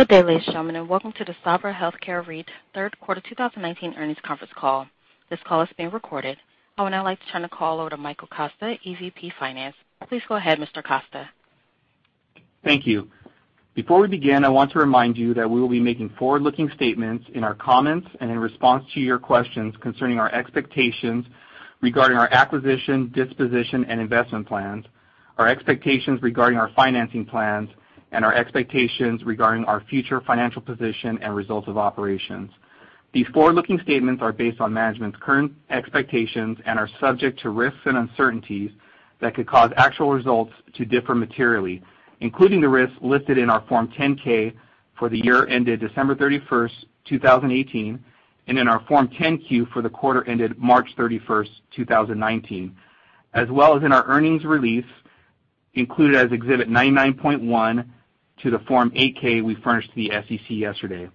Good day, ladies and gentlemen, welcome to the Sabra Health Care REIT Third Quarter 2019 Earnings Conference Call. This call is being recorded. I would now like to turn the call over to Michael Costa, EVP Finance. Please go ahead, Mr. Costa. Thank you. Before we begin, I want to remind you that we will be making forward-looking statements in our comments and in response to your questions concerning our expectations regarding our acquisition, disposition, and investment plans, our expectations regarding our financing plans, and our expectations regarding our future financial position and results of operations. These forward-looking statements are based on management's current expectations and are subject to risks and uncertainties that could cause actual results to differ materially, including the risks listed in our Form 10-K for the year ended December 31st, 2018, and in our Form 10-Q for the quarter ended March 31st, 2019, as well as in our earnings release included as Exhibit 99.1 to the Form 8-K we furnished to the SEC yesterday.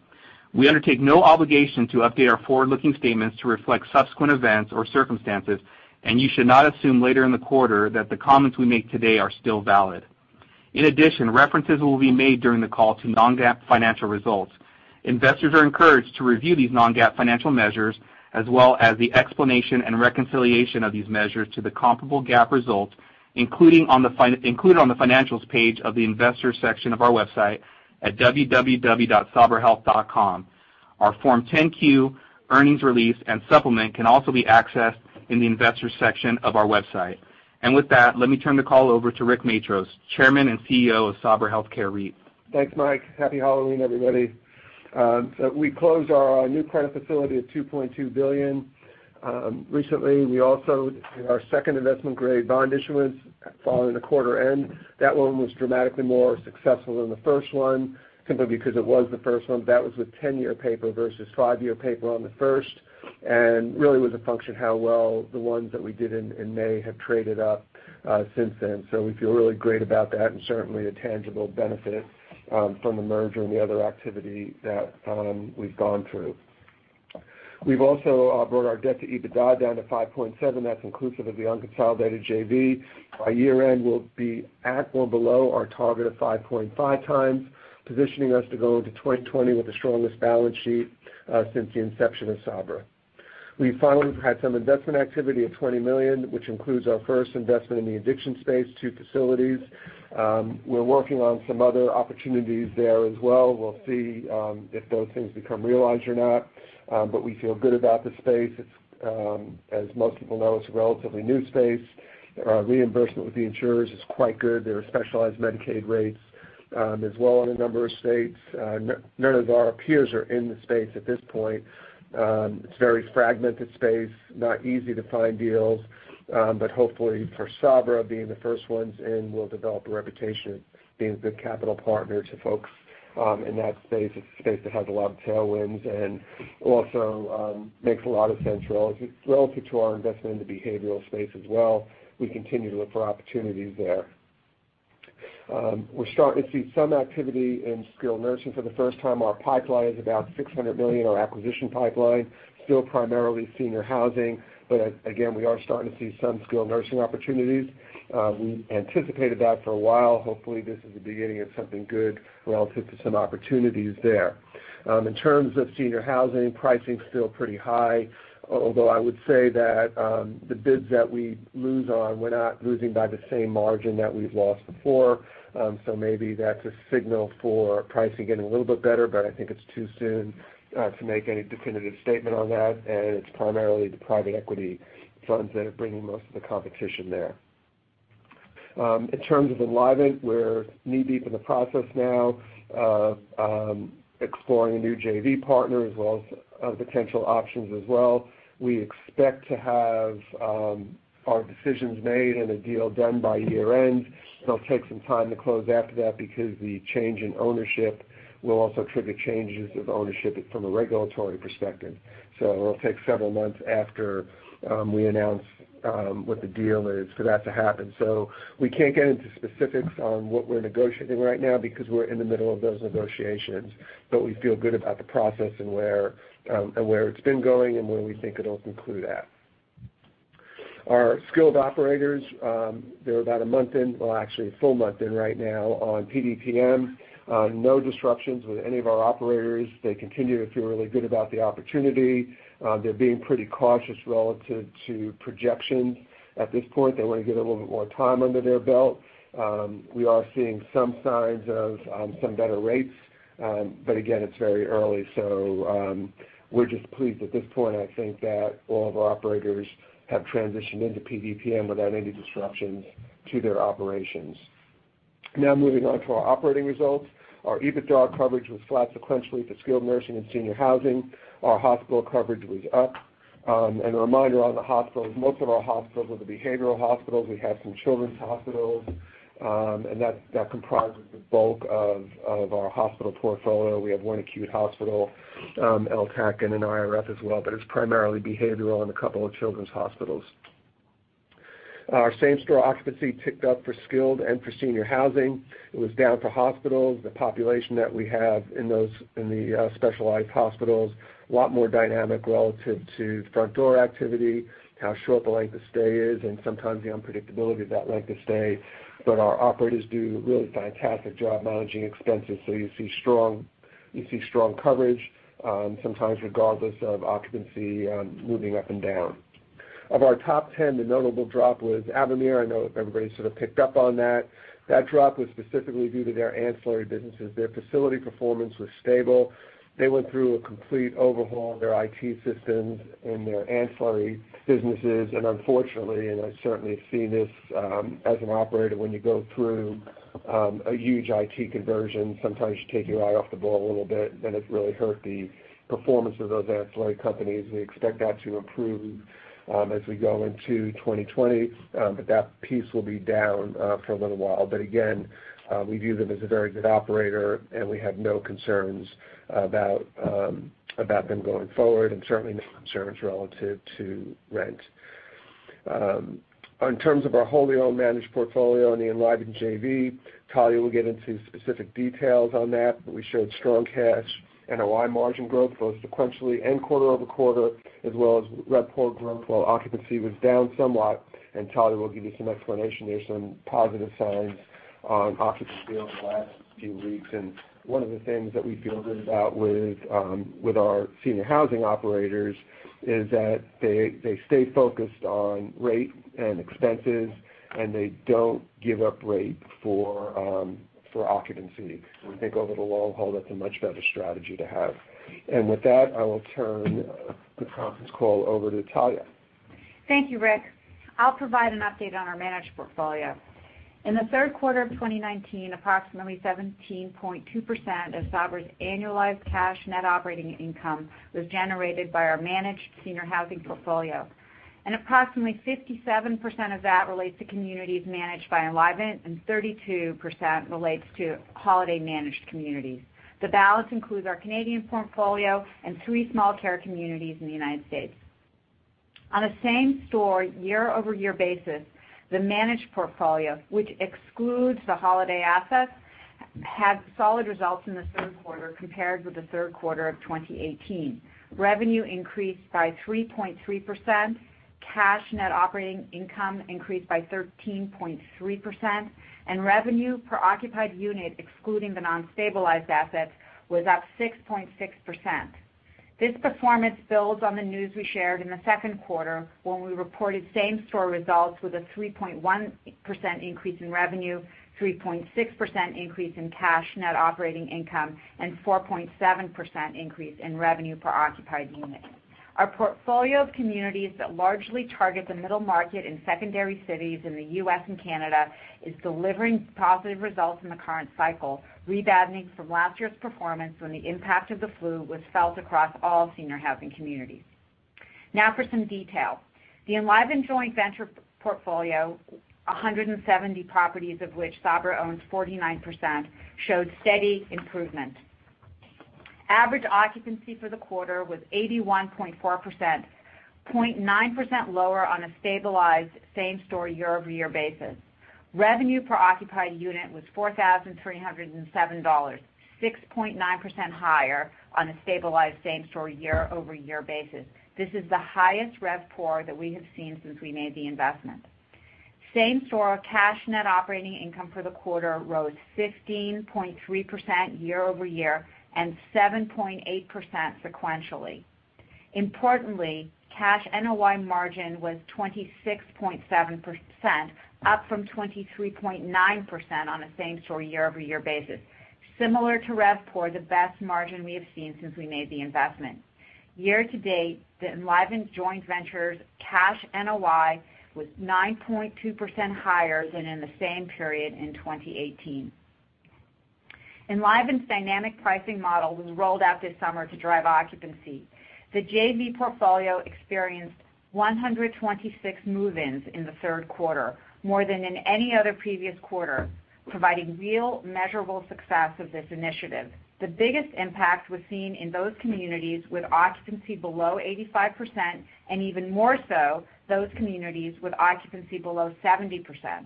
We undertake no obligation to update our forward-looking statements to reflect subsequent events or circumstances, and you should not assume later in the quarter that the comments we make today are still valid. In addition, references will be made during the call to non-GAAP financial results. Investors are encouraged to review these non-GAAP financial measures, as well as the explanation and reconciliation of these measures to the comparable GAAP results included on the financials page of the investor section of our website at www.sabrahealth.com. Our Form 10-Q, earnings release, and supplement can also be accessed in the investors section of our website. With that, let me turn the call over to Rick Matros, Chairman and CEO of Sabra Health Care REIT. Thanks, Mike. Happy Halloween, everybody. We closed our new credit facility of $2.2 billion recently. We also did our second investment-grade bond issuance following the quarter end. That one was dramatically more successful than the first one, simply because it was the first one. That was with 10-year paper versus five-year paper on the first, and really was a function of how well the ones that we did in May have traded up since then. We feel really great about that and certainly a tangible benefit from the merger and the other activity that we've gone through. We've also brought our debt-to-EBITDA down to 5.7. That's inclusive of the unconsolidated JV. By year-end, we'll be at or below our target of 5.5 times, positioning us to go into 2020 with the strongest balance sheet since the inception of Sabra. We finally had some investment activity of $20 million, which includes our first investment in the addiction space, two facilities. We're working on some other opportunities there as well. We'll see if those things become realized or not. We feel good about the space. As most people know, it's a relatively new space. Reimbursement with the insurers is quite good. There are specialized Medicaid rates as well in a number of states. None of our peers are in the space at this point. It's a very fragmented space, not easy to find deals. Hopefully for Sabra, being the first ones in, we'll develop a reputation being a good capital partner to folks in that space. It's a space that has a lot of tailwinds and also makes a lot of sense relative to our investment in the behavioral space as well. We continue to look for opportunities there. We're starting to see some activity in skilled nursing for the first time. Our pipeline is about $600 million, our acquisition pipeline. Still primarily senior housing, but again, we are starting to see some skilled nursing opportunities. We anticipated that for a while. Hopefully, this is the beginning of something good relative to some opportunities there. In terms of senior housing, pricing's still pretty high, although I would say that the bids that we lose on, we're not losing by the same margin that we've lost before. Maybe that's a signal for pricing getting a little bit better, but I think it's too soon to make any definitive statement on that, and it's primarily the private equity funds that are bringing most of the competition there. In terms of Enlivant, we're knee-deep in the process now of exploring a new JV partner, as well as potential options as well. We expect to have our decisions made and a deal done by year-end. It'll take some time to close after that because the change in ownership will also trigger changes of ownership from a regulatory perspective. It'll take several months after we announce what the deal is for that to happen. We can't get into specifics on what we're negotiating right now because we're in the middle of those negotiations, but we feel good about the process and where it's been going and where we think it'll conclude at. Our skilled operators, they're about a month in, well, actually a full month in right now on PDPM. No disruptions with any of our operators. They continue to feel really good about the opportunity. They're being pretty cautious relative to projections at this point. They want to get a little bit more time under their belt. We are seeing some signs of some better rates. Again, it's very early, so we're just pleased at this point, I think, that all of our operators have transitioned into PDPM without any disruptions to their operations. Moving on to our operating results. Our EBITDA coverage was flat sequentially for skilled nursing and senior housing. Our hospital coverage was up. A reminder on the hospitals, most of our hospitals are the behavioral hospitals. We have some children's hospitals, and that comprises the bulk of our hospital portfolio. We have one acute hospital, LTAC, and an IRF as well, but it's primarily behavioral and a couple of children's hospitals. Our same-store occupancy ticked up for skilled and for senior housing. It was down for hospitals. The population that we have in the specialized hospitals, a lot more dynamic relative to front door activity, how short the length of stay is, and sometimes the unpredictability of that length of stay. Our operators do a really fantastic job managing expenses, so you see strong coverage, sometimes regardless of occupancy moving up and down. Of our top 10, the notable drop was Avamere. I know everybody sort of picked up on that. That drop was specifically due to their ancillary businesses. Their facility performance was stable. They went through a complete overhaul of their IT systems and their ancillary businesses, and unfortunately, and I've certainly seen this as an operator, when you go through a huge IT conversion, sometimes you take your eye off the ball a little bit. It really hurt the performance of those ancillary companies. We expect that to improve as we go into 2020. That piece will be down for a little while. Again, we view them as a very good operator, and we have no concerns about them going forward, and certainly no concerns relative to rent. In terms of our wholly owned managed portfolio in the Enlivant JV, Talya will get into specific details on that, but we showed strong cash and a wide margin growth, both sequentially and quarter-over-quarter, as well as RevPOR growth, while occupancy was down somewhat, and Talya will give you some explanation. There's some positive signs on occupancy over the last few weeks, and one of the things that we feel good about with our senior housing operators is that they stay focused on rate and expenses, and they don't give up rate for occupancy. We think over the long haul, that's a much better strategy to have. With that, I will turn the conference call over to Talya. Thank you, Rick. I will provide an update on our managed portfolio. In the third quarter of 2019, approximately 17.2% of Sabra's annualized cash net operating income was generated by our managed senior housing portfolio. Approximately 57% of that relates to communities managed by Enlivant, and 32% relates to Holiday managed communities. The balance includes our Canadian portfolio and three small care communities in the U.S. On a same-store, year-over-year basis, the managed portfolio, which excludes the Holiday assets, had solid results in the third quarter compared with the third quarter of 2018. Revenue increased by 3.3%, cash net operating income increased by 13.3%, and revenue per occupied unit, excluding the non-stabilized assets, was up 6.6%. This performance builds on the news we shared in the second quarter, when we reported same store results with a 3.1% increase in revenue, 3.6% increase in cash net operating income, and 4.7% increase in revenue per occupied unit. Our portfolio of communities that largely target the middle market in secondary cities in the U.S. and Canada is delivering positive results in the current cycle, rebounding from last year's performance when the impact of the flu was felt across all senior housing communities. For some detail. The Enlivant joint venture portfolio, 170 properties of which Sabra owns 49%, showed steady improvement. Average occupancy for the quarter was 81.4%, 0.9% lower on a stabilized same store year-over-year basis. Revenue per occupied unit was $4,307, 6.9% higher on a stabilized same store year-over-year basis. This is the highest RevPOR that we have seen since we made the investment. Same store cash net operating income for the quarter rose 15.3% year-over-year and 7.8% sequentially. Importantly, cash NOI margin was 26.7%, up from 23.9% on a same store year-over-year basis. Similar to RevPOR, the best margin we have seen since we made the investment. Year to date, the Enlivant joint venture's cash NOI was 9.2% higher than in the same period in 2018. Enlivant's dynamic pricing model was rolled out this summer to drive occupancy. The JV portfolio experienced 126 move-ins in the third quarter, more than in any other previous quarter, providing real measurable success of this initiative. The biggest impact was seen in those communities with occupancy below 85%, and even more so, those communities with occupancy below 70%.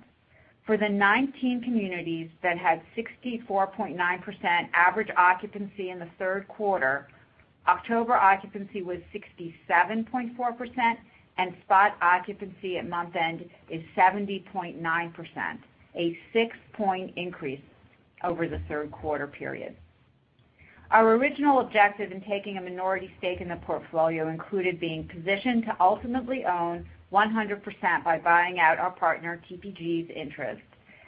For the 19 communities that had 64.9% average occupancy in the third quarter, October occupancy was 67.4%, and spot occupancy at month-end is 70.9%, a six-point increase over the third quarter period. Our original objective in taking a minority stake in the portfolio included being positioned to ultimately own 100% by buying out our partner TPG's interest.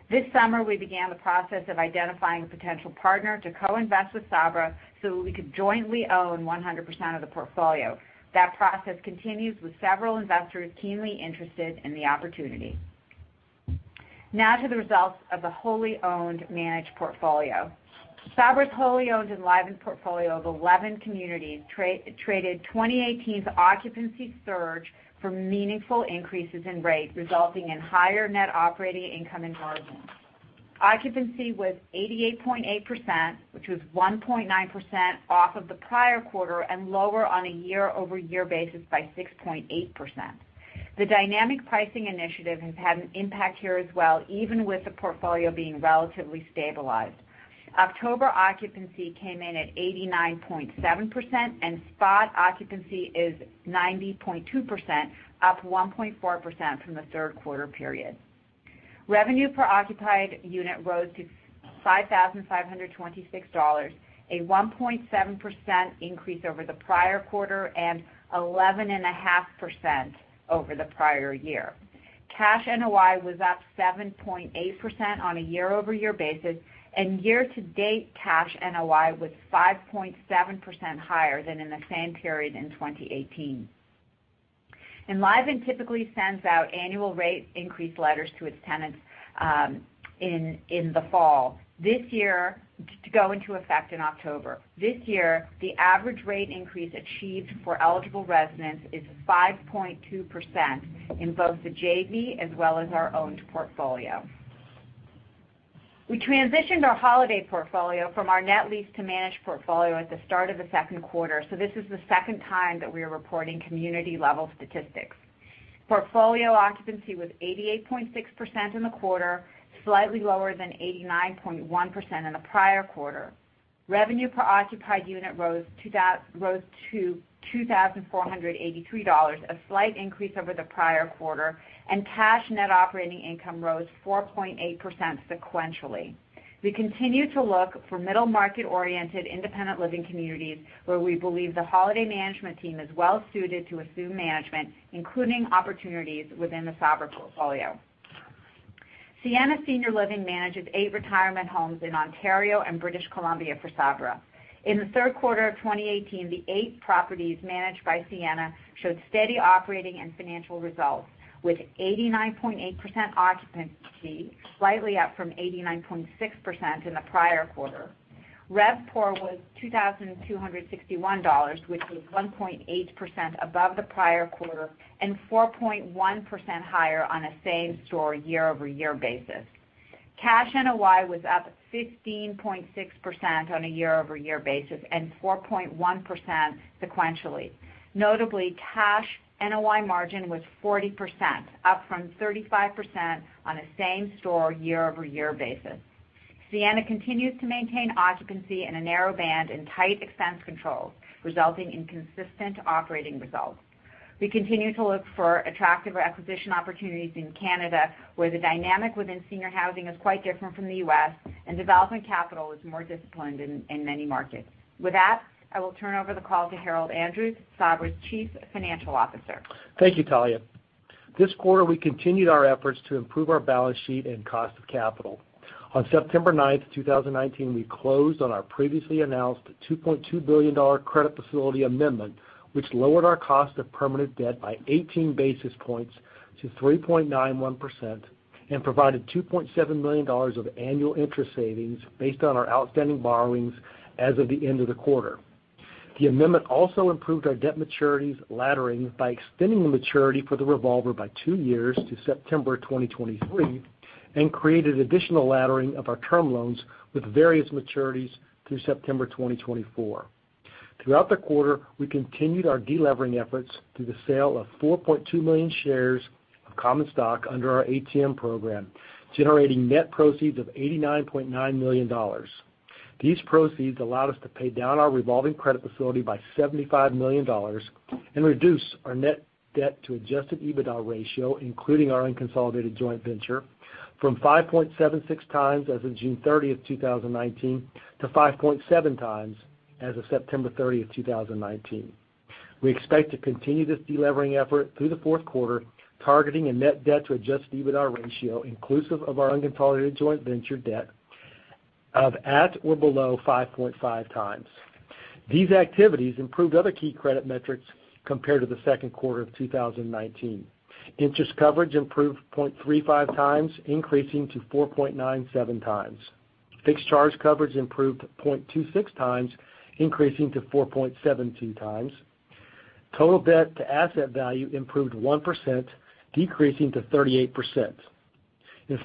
This summer, we began the process of identifying a potential partner to co-invest with Sabra so that we could jointly own 100% of the portfolio. That process continues with several investors keenly interested in the opportunity. Now to the results of the wholly owned managed portfolio. Sabra's wholly owned Enlivant portfolio of 11 communities traded 2018's occupancy surge for meaningful increases in rate, resulting in higher net operating income and margins. Occupancy was 88.8%, which was 1.9% off of the prior quarter and lower on a year-over-year basis by 6.8%. The dynamic pricing initiative has had an impact here as well, even with the portfolio being relatively stabilized. October occupancy came in at 89.7%, and spot occupancy is 90.2%, up 1.4% from the third quarter period. Revenue per occupied unit rose to $5,526, a 1.7% increase over the prior quarter and 11.5% over the prior year. Cash NOI was up 7.8% on a year-over-year basis, and year-to-date cash NOI was 5.7% higher than in the same period in 2018. Enlivant typically sends out annual rate increase letters to its tenants in the fall to go into effect in October. This year, the average rate increase achieved for eligible residents is 5.2% in both the JV as well as our owned portfolio. We transitioned our Holiday portfolio from our net lease to managed portfolio at the start of the second quarter, so this is the second time that we are reporting community-level statistics. Portfolio occupancy was 88.6% in the quarter, slightly lower than 89.1% in the prior quarter. Revenue per occupied unit rose to $2,483, a slight increase over the prior quarter, and cash net operating income rose 4.8% sequentially. We continue to look for middle market-oriented independent living communities where we believe the Holiday management team is well-suited to assume management, including opportunities within the Sabra portfolio. Sienna Senior Living manages eight retirement homes in Ontario and British Columbia for Sabra. In the third quarter of 2018, the eight properties managed by Sienna showed steady operating and financial results with 89.8% occupancy, slightly up from 89.6% in the prior quarter. RevPOR was $2,261, which was 1.8% above the prior quarter and 4.1% higher on a same-store year-over-year basis. Cash NOI was up 15.6% on a year-over-year basis and 4.1% sequentially. Notably, cash NOI margin was 40%, up from 35% on a same-store year-over-year basis. Sienna continues to maintain occupancy in a narrow band and tight expense controls, resulting in consistent operating results. We continue to look for attractive acquisition opportunities in Canada, where the dynamic within senior housing is quite different from the U.S. and development capital is more disciplined in many markets. With that, I will turn over the call to Harold Andrews, Sabra's Chief Financial Officer. Thank you, Talya. This quarter, we continued our efforts to improve our balance sheet and cost of capital. On September 9th, 2019, we closed on our previously announced $2.2 billion credit facility amendment, which lowered our cost of permanent debt by 18 basis points to 3.91% and provided $2.7 million of annual interest savings based on our outstanding borrowings as of the end of the quarter. The amendment also improved our debt maturities laddering by extending the maturity for the revolver by two years to September 2023 and created additional laddering of our term loans with various maturities through September 2024. Throughout the quarter, we continued our de-levering efforts through the sale of 4.2 million shares of common stock under our ATM program, generating net proceeds of $89.9 million. These proceeds allowed us to pay down our revolving credit facility by $75 million and reduce our net debt to adjusted EBITDA ratio, including our unconsolidated joint venture, from 5.76 times as of June 30th, 2019, to 5.7 times as of September 30th, 2019. We expect to continue this de-levering effort through the fourth quarter, targeting a net debt to adjusted EBITDA ratio inclusive of our unconsolidated joint venture debt of at or below 5.5 times. These activities improved other key credit metrics compared to the second quarter of 2019. Interest coverage improved 0.35 times, increasing to 4.97 times. Fixed charge coverage improved 0.26 times, increasing to 4.72 times. Total debt to asset value improved 1%, decreasing to 38%.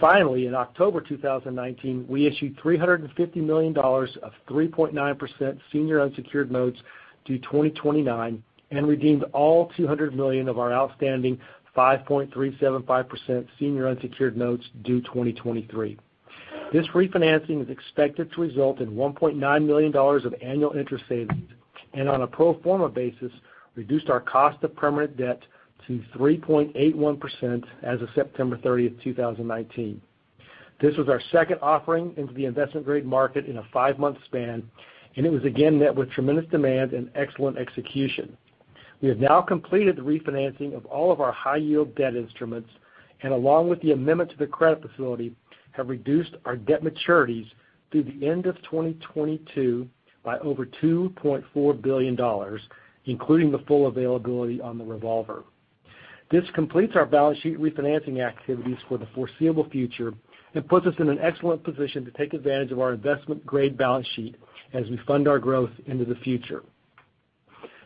Finally, in October 2019, we issued $350 million of 3.9% senior unsecured notes due 2029 and redeemed all $200 million of our outstanding 5.375% senior unsecured notes due 2023. This refinancing is expected to result in $1.9 million of annual interest savings, and on a pro forma basis, reduced our cost of permanent debt to 3.81% as of September 30, 2019. This was our second offering into the investment grade market in a five-month span, and it was again met with tremendous demand and excellent execution. We have now completed the refinancing of all of our high-yield debt instruments, and along with the amendment to the credit facility, have reduced our debt maturities through the end of 2022 by over $2.4 billion, including the full availability on the revolver. This completes our balance sheet refinancing activities for the foreseeable future and puts us in an excellent position to take advantage of our investment-grade balance sheet as we fund our growth into the future.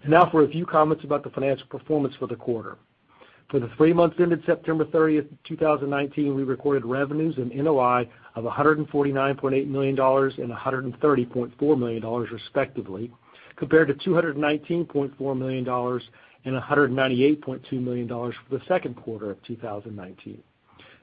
Now for a few comments about the financial performance for the quarter. For the three months ended September 30th, 2019, we recorded revenues and NOI of $149.8 million and $130.4 million respectively, compared to $219.4 million and $198.2 million for the second quarter of 2019.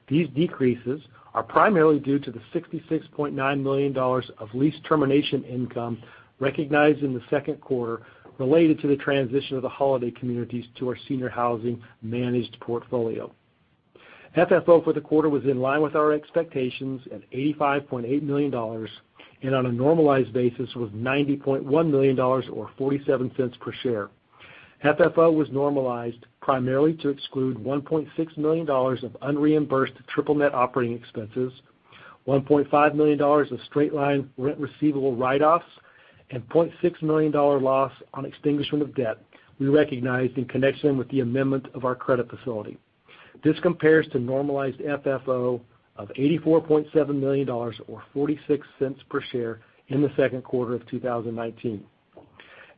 These decreases are primarily due to the $66.9 million of lease termination income recognized in the second quarter related to the transition of the Holiday communities to our senior housing managed portfolio. FFO for the quarter was in line with our expectations at $85.8 million, and on a normalized basis was $90.1 million, or $0.47 per share. FFO was normalized primarily to exclude $1.6 million of unreimbursed triple-net operating expenses, $1.5 million of straight-line rent receivable write-offs, and $0.6 million loss on extinguishment of debt we recognized in connection with the amendment of our credit facility. This compares to normalized FFO of $84.7 million, or $0.46 per share in the second quarter of 2019.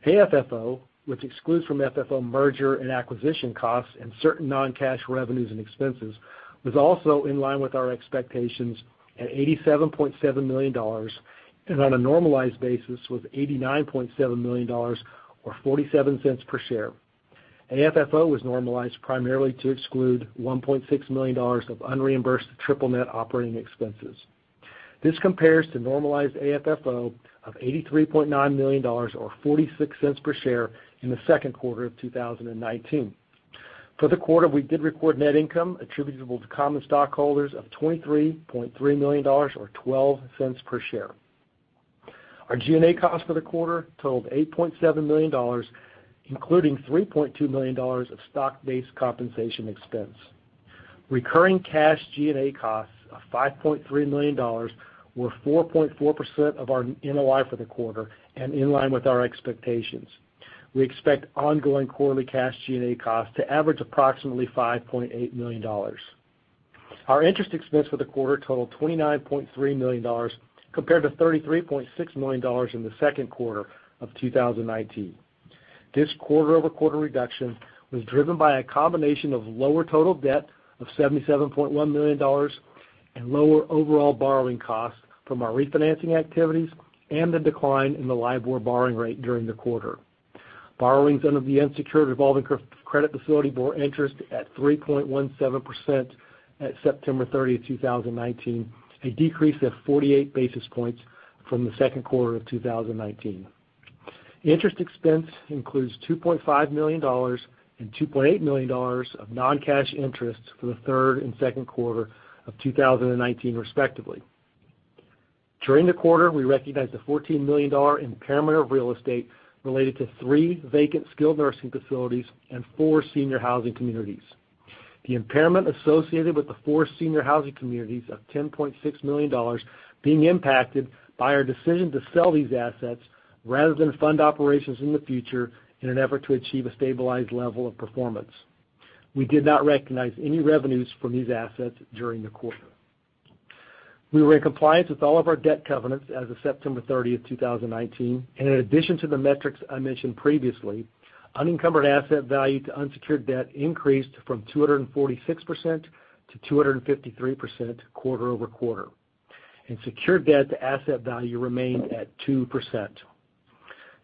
AFFO, which excludes from FFO merger and acquisition costs and certain non-cash revenues and expenses, was also in line with our expectations at $87.7 million, and on a normalized basis was $89.7 million, or $0.47 per share. AFFO was normalized primarily to exclude $1.6 million of unreimbursed triple-net operating expenses. This compares to normalized AFFO of $83.9 million, or $0.46 per share in the second quarter of 2019. For the quarter, we did record net income attributable to common stockholders of $23.3 million, or $0.12 per share. Our G&A costs for the quarter totaled $8.7 million, including $3.2 million of stock-based compensation expense. Recurring cash G&A costs of $5.3 million were 4.4% of our NOI for the quarter and in line with our expectations. We expect ongoing quarterly cash G&A costs to average approximately $5.8 million. Our interest expense for the quarter totaled $29.3 million, compared to $33.6 million in the second quarter of 2019. This quarter-over-quarter reduction was driven by a combination of lower total debt of $77.1 million and lower overall borrowing costs from our refinancing activities and the decline in the LIBOR borrowing rate during the quarter. Borrowings under the unsecured revolving credit facility bore interest at 3.17% at September 30, 2019, a decrease of 48 basis points from the second quarter of 2019. Interest expense includes $2.5 million and $2.8 million of non-cash interest for the third and second quarter of 2019, respectively. During the quarter, we recognized a $14 million impairment of real estate related to three vacant skilled nursing facilities and four senior housing communities. The impairment associated with the four senior housing communities of $10.6 million being impacted by our decision to sell these assets rather than fund operations in the future in an effort to achieve a stabilized level of performance. We did not recognize any revenues from these assets during the quarter. We were in compliance with all of our debt covenants as of September 30, 2019, and in addition to the metrics I mentioned previously, unencumbered asset value to unsecured debt increased from 246% to 253% quarter-over-quarter, and secured debt to asset value remained at 2%.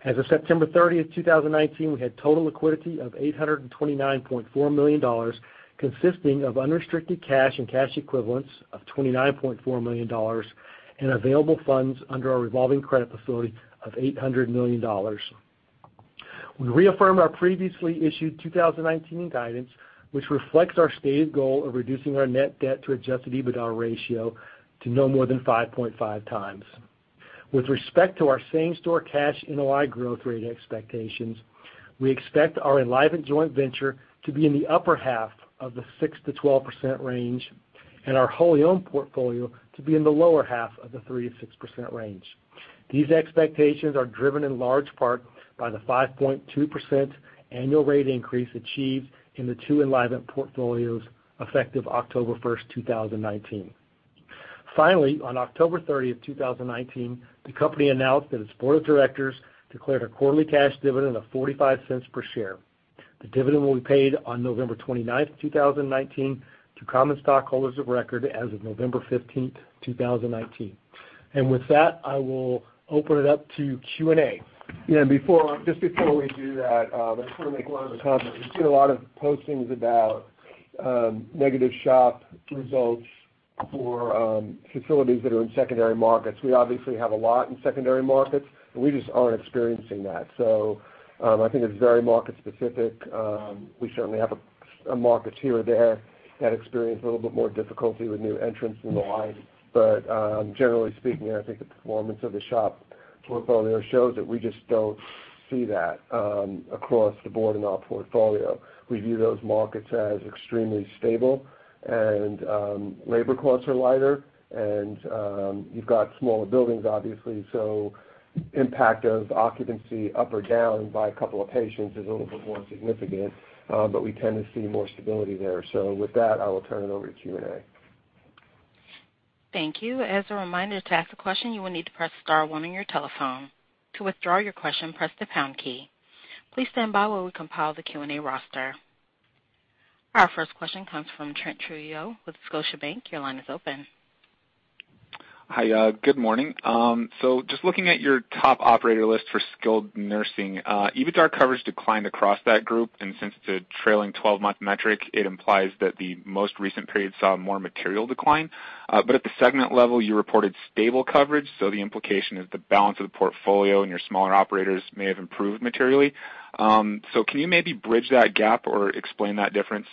As of September 30, 2019, we had total liquidity of $829.4 million, consisting of unrestricted cash and cash equivalents of $29.4 million and available funds under our revolving credit facility of $800 million. We reaffirm our previously issued 2019 guidance, which reflects our stated goal of reducing our net debt to adjusted EBITDA ratio to no more than 5.5 times. With respect to our same-store cash NOI growth rate expectations, we expect our Enlivant joint venture to be in the upper half of the 6%-12% range and our wholly owned portfolio to be in the lower half of the 3%-6% range. These expectations are driven in large part by the 5.2% annual rate increase achieved in the two Enlivant portfolios effective October 1st, 2019. Finally, on October 30th, 2019, the company announced that its board of directors declared a quarterly cash dividend of $0.45 per share. The dividend will be paid on November 29th, 2019 to common stockholders of record as of November 15th, 2019. With that, I will open it up to Q&A. Yeah. Just before we do that, I just want to make one other comment. We see a lot of postings about negative SHOP results for facilities that are in secondary markets. We obviously have a lot in secondary markets, and we just aren't experiencing that. I think it's very market specific. We certainly have some markets here or there that experience a little bit more difficulty with new entrants in the line. Generally speaking, I think the performance of the SHOP portfolio shows that we just don't see that across the board in our portfolio. We view those markets as extremely stable, and labor costs are lighter, and you've got smaller buildings, obviously, so impact of occupancy up or down by a couple of patients is a little bit more insignificant. We tend to see more stability there. With that, I will turn it over to Q&A. Thank you. As a reminder, to ask a question, you will need to press star one on your telephone. To withdraw your question, press the pound key. Please stand by while we compile the Q&A roster. Our first question comes from Trent Trujillo with Scotiabank. Your line is open. Hi. Good morning. Just looking at your top operator list for skilled nursing, EBITDA coverage declined across that group, and since the trailing 12-month metric, it implies that the most recent period saw more material decline. At the segment level, you reported stable coverage, the implication is the balance of the portfolio and your smaller operators may have improved materially. Can you maybe bridge that gap or explain that difference?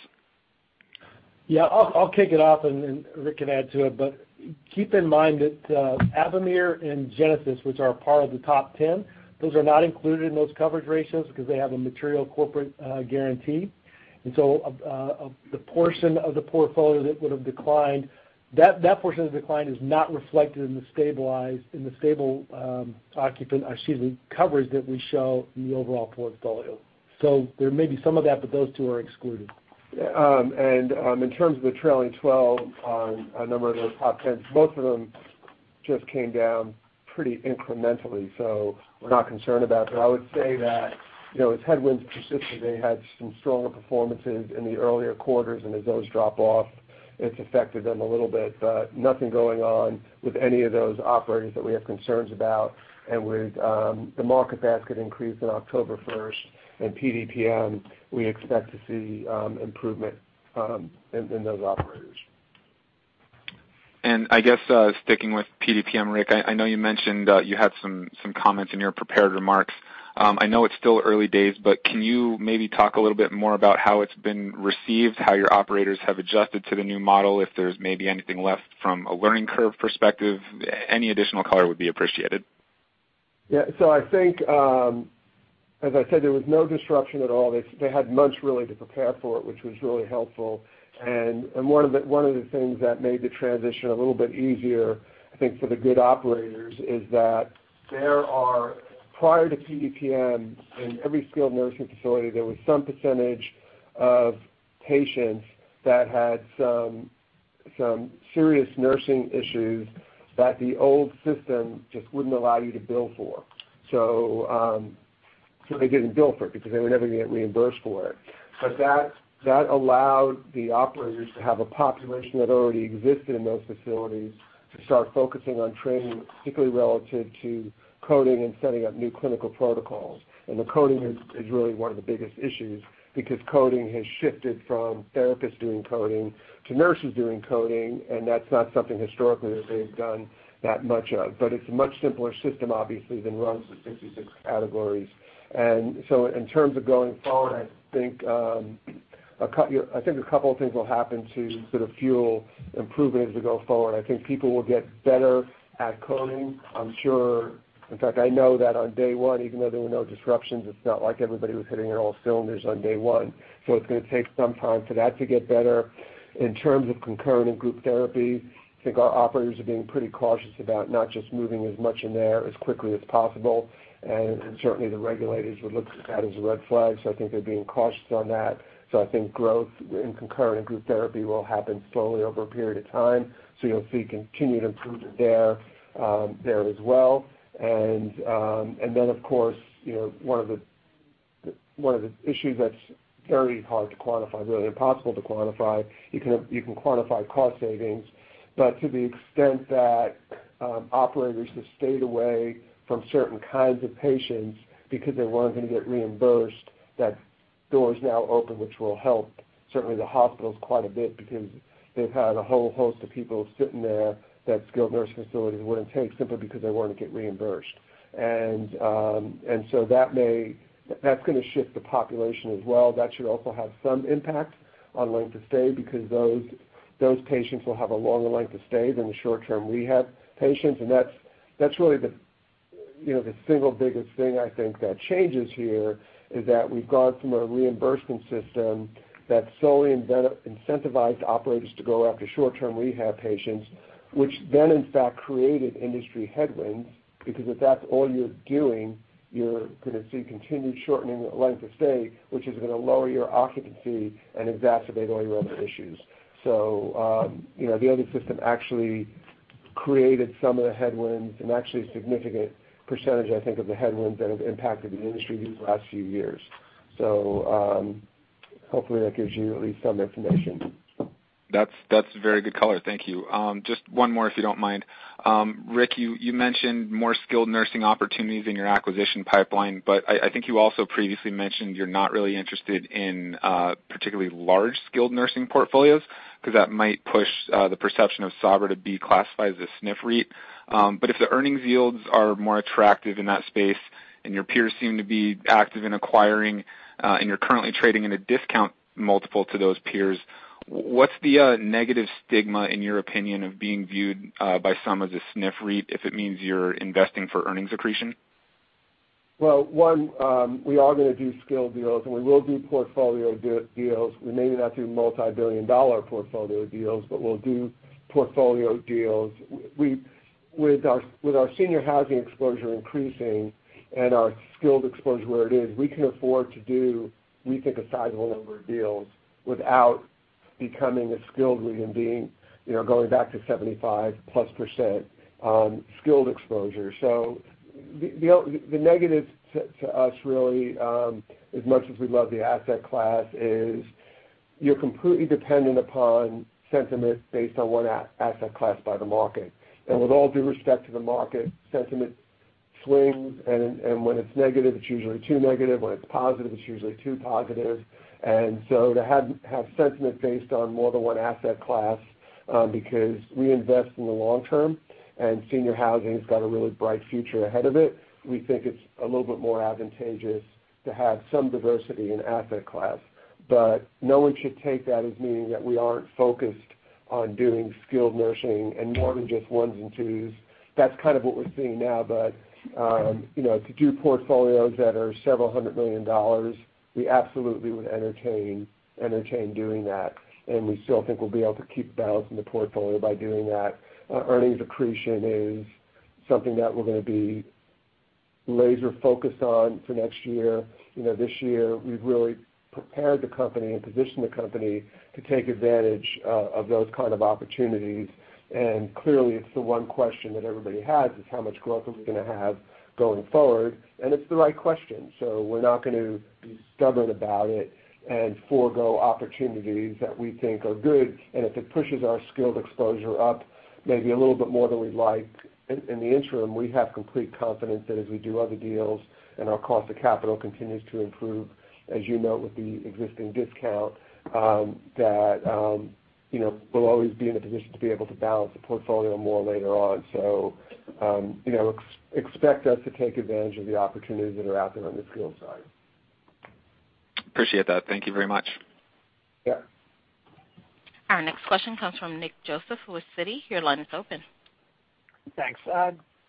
Yeah, I'll kick it off, and then Rick can add to it. Keep in mind that Avamere and Genesis, which are a part of the top 10, those are not included in those coverage ratios because they have a material corporate guarantee. The portion of the portfolio that would've declined, that portion of the decline is not reflected in the stable occupant, excuse me, coverage that we show in the overall portfolio. There may be some of that, but those two are excluded. Yeah. In terms of the trailing 12 on a number of those top 10s, both of them just came down pretty incrementally, so we're not concerned about that. I would say that, as headwinds persisted, they had some stronger performances in the earlier quarters, and as those drop off, it's affected them a little bit. Nothing going on with any of those operators that we have concerns about. With the market basket increase in October 1st and PDPM, we expect to see improvement in those operators. I guess, sticking with PDPM, Rick, I know you mentioned you had some comments in your prepared remarks. I know it's still early days, but can you maybe talk a little bit more about how it's been received, how your operators have adjusted to the new model, if there's maybe anything left from a learning curve perspective? Any additional color would be appreciated. Yeah. I think, as I said, there was no disruption at all. They had months really to prepare for it, which was really helpful. One of the things that made the transition a little bit easier, I think, for the good operators, is that there are, prior to PDPM, in every skilled nursing facility, there was some percentage of patients that had some serious nursing issues that the old system just wouldn't allow you to bill for. They didn't bill for it because they were never going to get reimbursed for it. That allowed the operators to have a population that already existed in those facilities to start focusing on training, particularly relative to coding and setting up new clinical protocols. The coding is really one of the biggest issues, because coding has shifted from therapists doing coding to nurses doing coding, and that's not something historically that they've done that much of. It's a much simpler system, obviously, than RUGs with 56 categories. In terms of going forward, I think a couple of things will happen to sort of fuel improvement as we go forward. I think people will get better at coding. I'm sure, in fact, I know that on day one, even though there were no disruptions, it's not like everybody was hitting on all cylinders on day one. So it's going to take some time for that to get better. In terms of concurrent and group therapy, I think our operators are being pretty cautious about not just moving as much in there as quickly as possible. Certainly, the regulators would look at that as a red flag, so I think they're being cautious on that. I think growth in concurrent and group therapy will happen slowly over a period of time. You'll see continued improvement there as well. Of course, one of the issues that's very hard to quantify, really impossible to quantify, you can quantify cost savings. To the extent that operators have stayed away from certain kinds of patients because they weren't going to get reimbursed, that door is now open, which will help certainly the hospitals quite a bit because they've had a whole host of people sitting there that skilled nursing facilities wouldn't take simply because they wouldn't get reimbursed. That's going to shift the population as well. That should also have some impact on length of stay because those patients will have a longer length of stay than the short-term rehab patients. That's really the single biggest thing I think that changes here is that we've gone from a reimbursement system that solely incentivized operators to go after short-term rehab patients, which then in fact created industry headwinds. If that's all you're doing, you're going to see continued shortening length of stay, which is going to lower your occupancy and exacerbate all your other issues. The other system actually created some of the headwinds and actually a significant percentage, I think, of the headwinds that have impacted the industry these last few years. Hopefully that gives you at least some information. That's very good color. Thank you. Just one more, if you don't mind. Rick, you mentioned more skilled nursing opportunities in your acquisition pipeline, but I think you also previously mentioned you're not really interested in particularly large skilled nursing portfolios because that might push the perception of Sabra to be classified as a SNF REIT. But if the earnings yields are more attractive in that space and your peers seem to be active in acquiring, and you're currently trading in a discount multiple to those peers, what's the negative stigma, in your opinion, of being viewed by some as a SNF REIT if it means you're investing for earnings accretion? Well, one, we are going to do skilled deals, and we will do portfolio deals. We may not do multi-billion dollar portfolio deals, but we'll do portfolio deals. With our senior housing exposure increasing and our skilled exposure where it is, we can afford to do, we think, a sizable number of deals without becoming a skilled REIT and going back to 75-plus% skilled exposure. The negative to us really, as much as we love the asset class is you're completely dependent upon sentiment based on one asset class by the market. With all due respect to the market, sentiment swings, and when it's negative, it's usually too negative. When it's positive, it's usually too positive. To have sentiment based on more than one asset class, because we invest in the long term, and senior housing's got a really bright future ahead of it, we think it's a little bit more advantageous to have some diversity in asset class. No one should take that as meaning that we aren't focused on doing skilled nursing and more than just ones and twos. That's kind of what we're seeing now. To do portfolios that are $ several hundred million, we absolutely would entertain doing that. We still think we'll be able to keep balancing the portfolio by doing that. Earnings accretion is something that we're going to be laser-focused on for next year. This year, we've really prepared the company and positioned the company to take advantage of those kind of opportunities. Clearly, it's the one question that everybody has, is how much growth are we going to have going forward? It's the right question. We're not going to be stubborn about it and forego opportunities that we think are good. If it pushes our skilled exposure up maybe a little bit more than we'd like in the interim, we have complete confidence that as we do other deals and our cost of capital continues to improve, as you note with the existing discount, that we'll always be in a position to be able to balance the portfolio more later on. Expect us to take advantage of the opportunities that are out there on the skilled side. Appreciate that. Thank you very much. Yeah. Our next question comes from Nick Joseph with Citi. Your line is open. Thanks.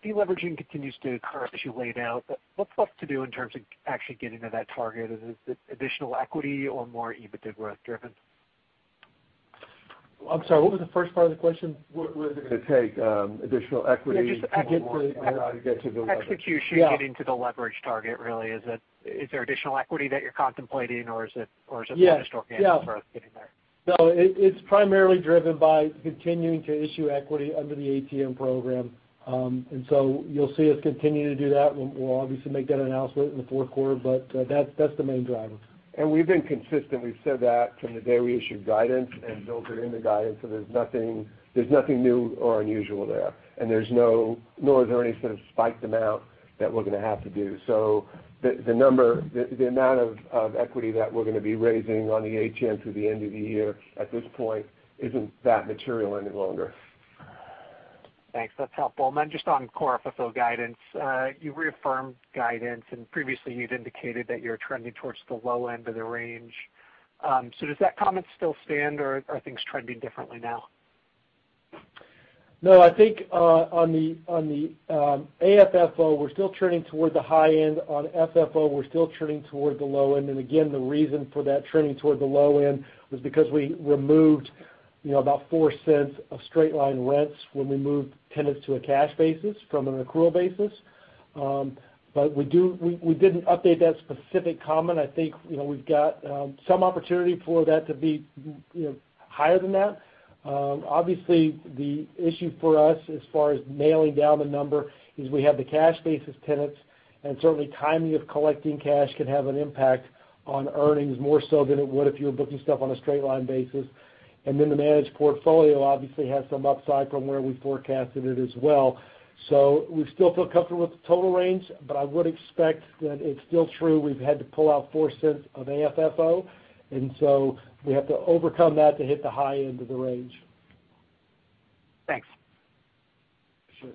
Deleveraging continues to occur as you laid out, but what's left to do in terms of actually getting to that target? Is it additional equity or more EBITDA growth driven? I'm sorry, what was the first part of the question? What is it going to take, additional equity to get to the leverage- Execution, getting to the leverage target, really. Is there additional equity that you're contemplating, or is it just organic growth getting there? No, it's primarily driven by continuing to issue equity under the ATM program. You'll see us continue to do that. We'll obviously make that announcement in the fourth quarter, but that's the main driver. We've been consistent. We've said that from the day we issued guidance and built it in the guidance. There's nothing new or unusual there. Nor is there any sort of spiked amount that we're going to have to do. The amount of equity that we're going to be raising on the ATM through the end of the year, at this point, isn't that material any longer. Thanks. That's helpful. Then just on core FFO guidance, you reaffirmed guidance, and previously you'd indicated that you're trending towards the low end of the range. Does that comment still stand, or are things trending differently now? No, I think on the AFFO, we're still trending toward the high end. On FFO, we're still trending toward the low end. Again, the reason for that trending toward the low end was because we removed about $0.04 of straight line rents when we moved tenants to a cash basis from an accrual basis. We didn't update that specific comment. I think we've got some opportunity for that to be higher than that. Obviously, the issue for us as far as nailing down the number is we have the cash basis tenants, and certainly timing of collecting cash can have an impact on earnings, more so than it would if you were booking stuff on a straight line basis. Then the managed portfolio obviously has some upside from where we forecasted it as well. We still feel comfortable with the total range, but I would expect that it's still true. We've had to pull out $0.04 of AFFO, and so we have to overcome that to hit the high end of the range. Thanks. Sure.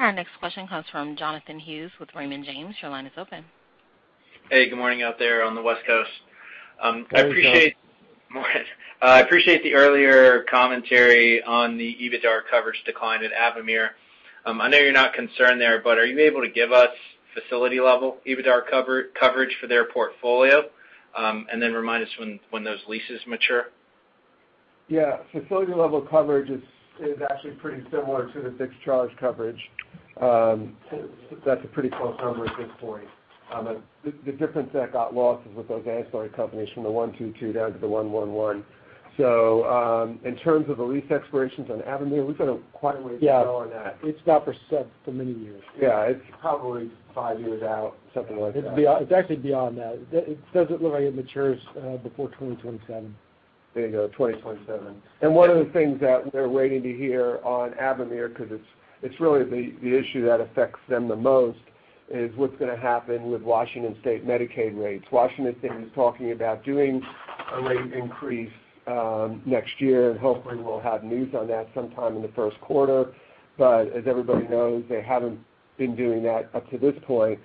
Our next question comes from Jonathan Hughes with Raymond James. Your line is open. Hey, good morning out there on the West Coast. Hey, Jon. Morning. I appreciate the earlier commentary on the EBITDAR coverage decline at Avamere. I know you're not concerned there. Are you able to give us facility level EBITDAR coverage for their portfolio? Remind us when those leases mature. Yeah. Facility level coverage is actually pretty similar to the fixed charge coverage. That's a pretty close number at this point. The difference that got lost is with those ancillary companies from the 122 down to the 111. In terms of the lease expirations on Avamere, we've got quite a way to go on that. Yeah. It's not for many years. Yeah. It's probably five years out, something like that. It's actually beyond that. It doesn't look like it matures before 2027. There you go, 2027. One of the things that they're waiting to hear on Avamere, because it's really the issue that affects them the most, is what's going to happen with Washington State Medicaid rates. Washington State is talking about doing a rate increase next year, and hopefully we'll have news on that sometime in the first quarter. As everybody knows, they haven't been doing that up to this point.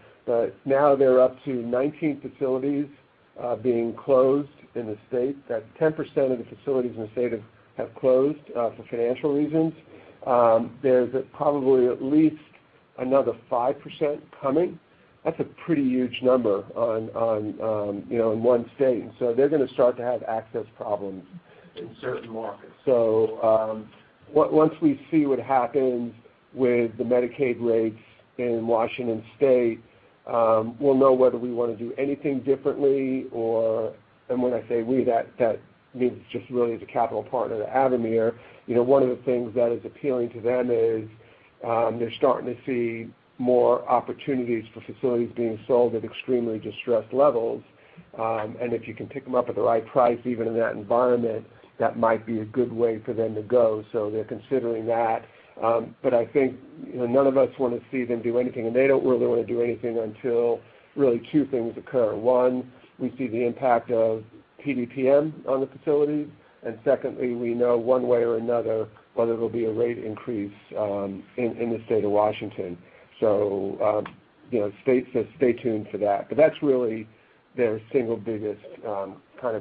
Now they're up to 19 facilities being closed in the state. That's 10% of the facilities in the state have closed for financial reasons. There's probably at least another 5% coming. That's a pretty huge number in one state. They're going to start to have access problems in certain markets. Once we see what happens with the Medicaid rates in Washington State, we'll know whether we want to do anything differently. When I say we, that means just really as a capital partner to Avamere. One of the things that is appealing to them is they're starting to see more opportunities for facilities being sold at extremely distressed levels. If you can pick them up at the right price, even in that environment, that might be a good way for them to go. They're considering that. I think none of us want to see them do anything, and they don't really want to do anything until really two things occur. One, we see the impact of PDPM on the facilities, and secondly, we know one way or another whether there'll be a rate increase in the state of Washington. Stay tuned for that. That's really their single biggest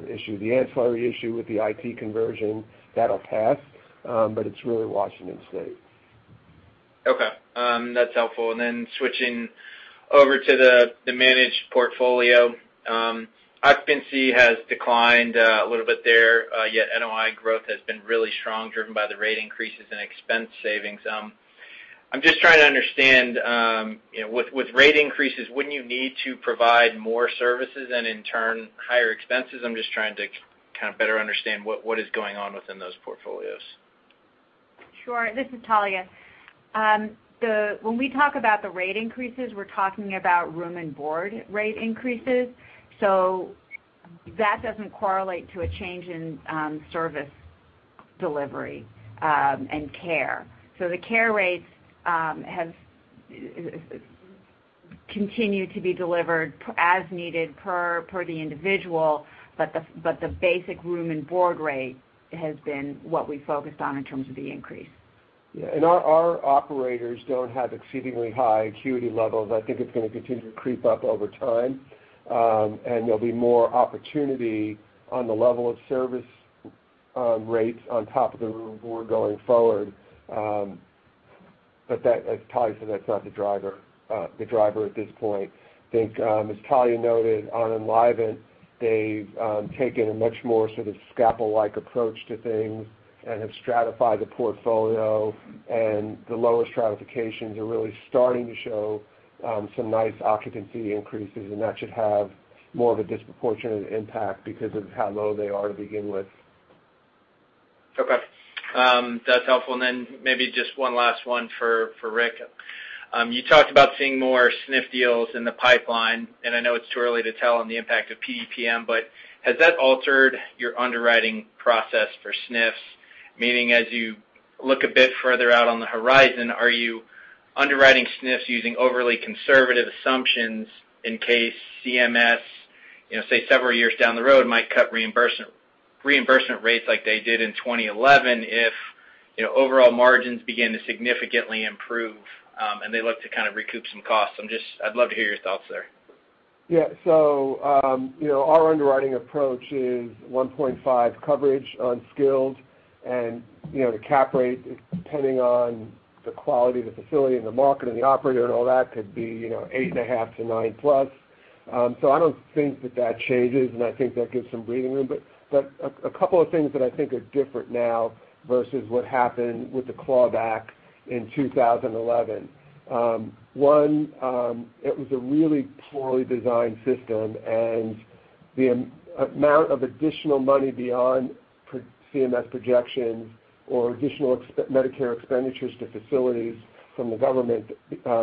issue. The ancillary issue with the IT conversion, that'll pass, but it's really Washington State. Okay. That's helpful. Switching over to the managed portfolio. Occupancy has declined a little bit there, yet NOI growth has been really strong, driven by the rate increases and expense savings. I'm just trying to understand, with rate increases, wouldn't you need to provide more services and in turn, higher expenses? I'm just trying to better understand what is going on within those portfolios. Sure. This is Talya. When we talk about the rate increases, we're talking about room and board rate increases. That doesn't correlate to a change in service delivery and care. The care rates have continued to be delivered as needed per the individual, but the basic room and board rate has been what we focused on in terms of the increase. Yeah. Our operators don't have exceedingly high acuity levels. I think it's going to continue to creep up over time, and there'll be more opportunity on the level of service rates on top of the room and board going forward. As Talya said, that's not the driver at this point. I think, as Talya noted, on Enlivant, they've taken a much more sort of scalpel-like approach to things and have stratified the portfolio, and the lower stratifications are really starting to show some nice occupancy increases, and that should have more of a disproportionate impact because of how low they are to begin with. Okay. That's helpful. Maybe just one last one for Rick. You talked about seeing more SNF deals in the pipeline. I know it's too early to tell on the impact of PDPM. Has that altered your underwriting process for SNFs? Meaning, as you look a bit further out on the horizon, are you underwriting SNFs using overly conservative assumptions in case CMS, say, several years down the road, might cut reimbursement rates like they did in 2011 if overall margins begin to significantly improve, and they look to recoup some costs? I'd love to hear your thoughts there. Yeah. Our underwriting approach is 1.5 coverage on skilled, and the cap rate, depending on the quality of the facility and the market and the operator and all that, could be 8.5-9+. I don't think that that changes, and I think that gives some breathing room. A couple of things that I think are different now versus what happened with the clawback in 2011. One, it was a really poorly designed system, and the amount of additional money beyond CMS projections or additional Medicare expenditures to facilities from the government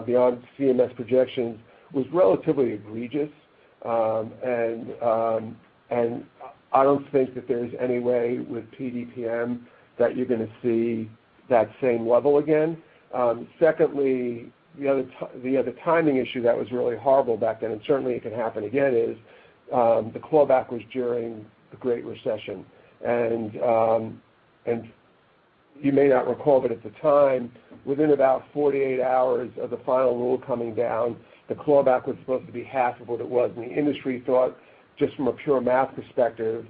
beyond CMS projections was relatively egregious. I don't think that there's any way with PDPM that you're going to see that same level again. Secondly, the other timing issue that was really horrible back then, and certainly it can happen again, is the clawback was during the Great Recession. You may not recall, but at the time, within about 48 hours of the final rule coming down, the clawback was supposed to be half of what it was, and the industry thought, just from a pure math perspective,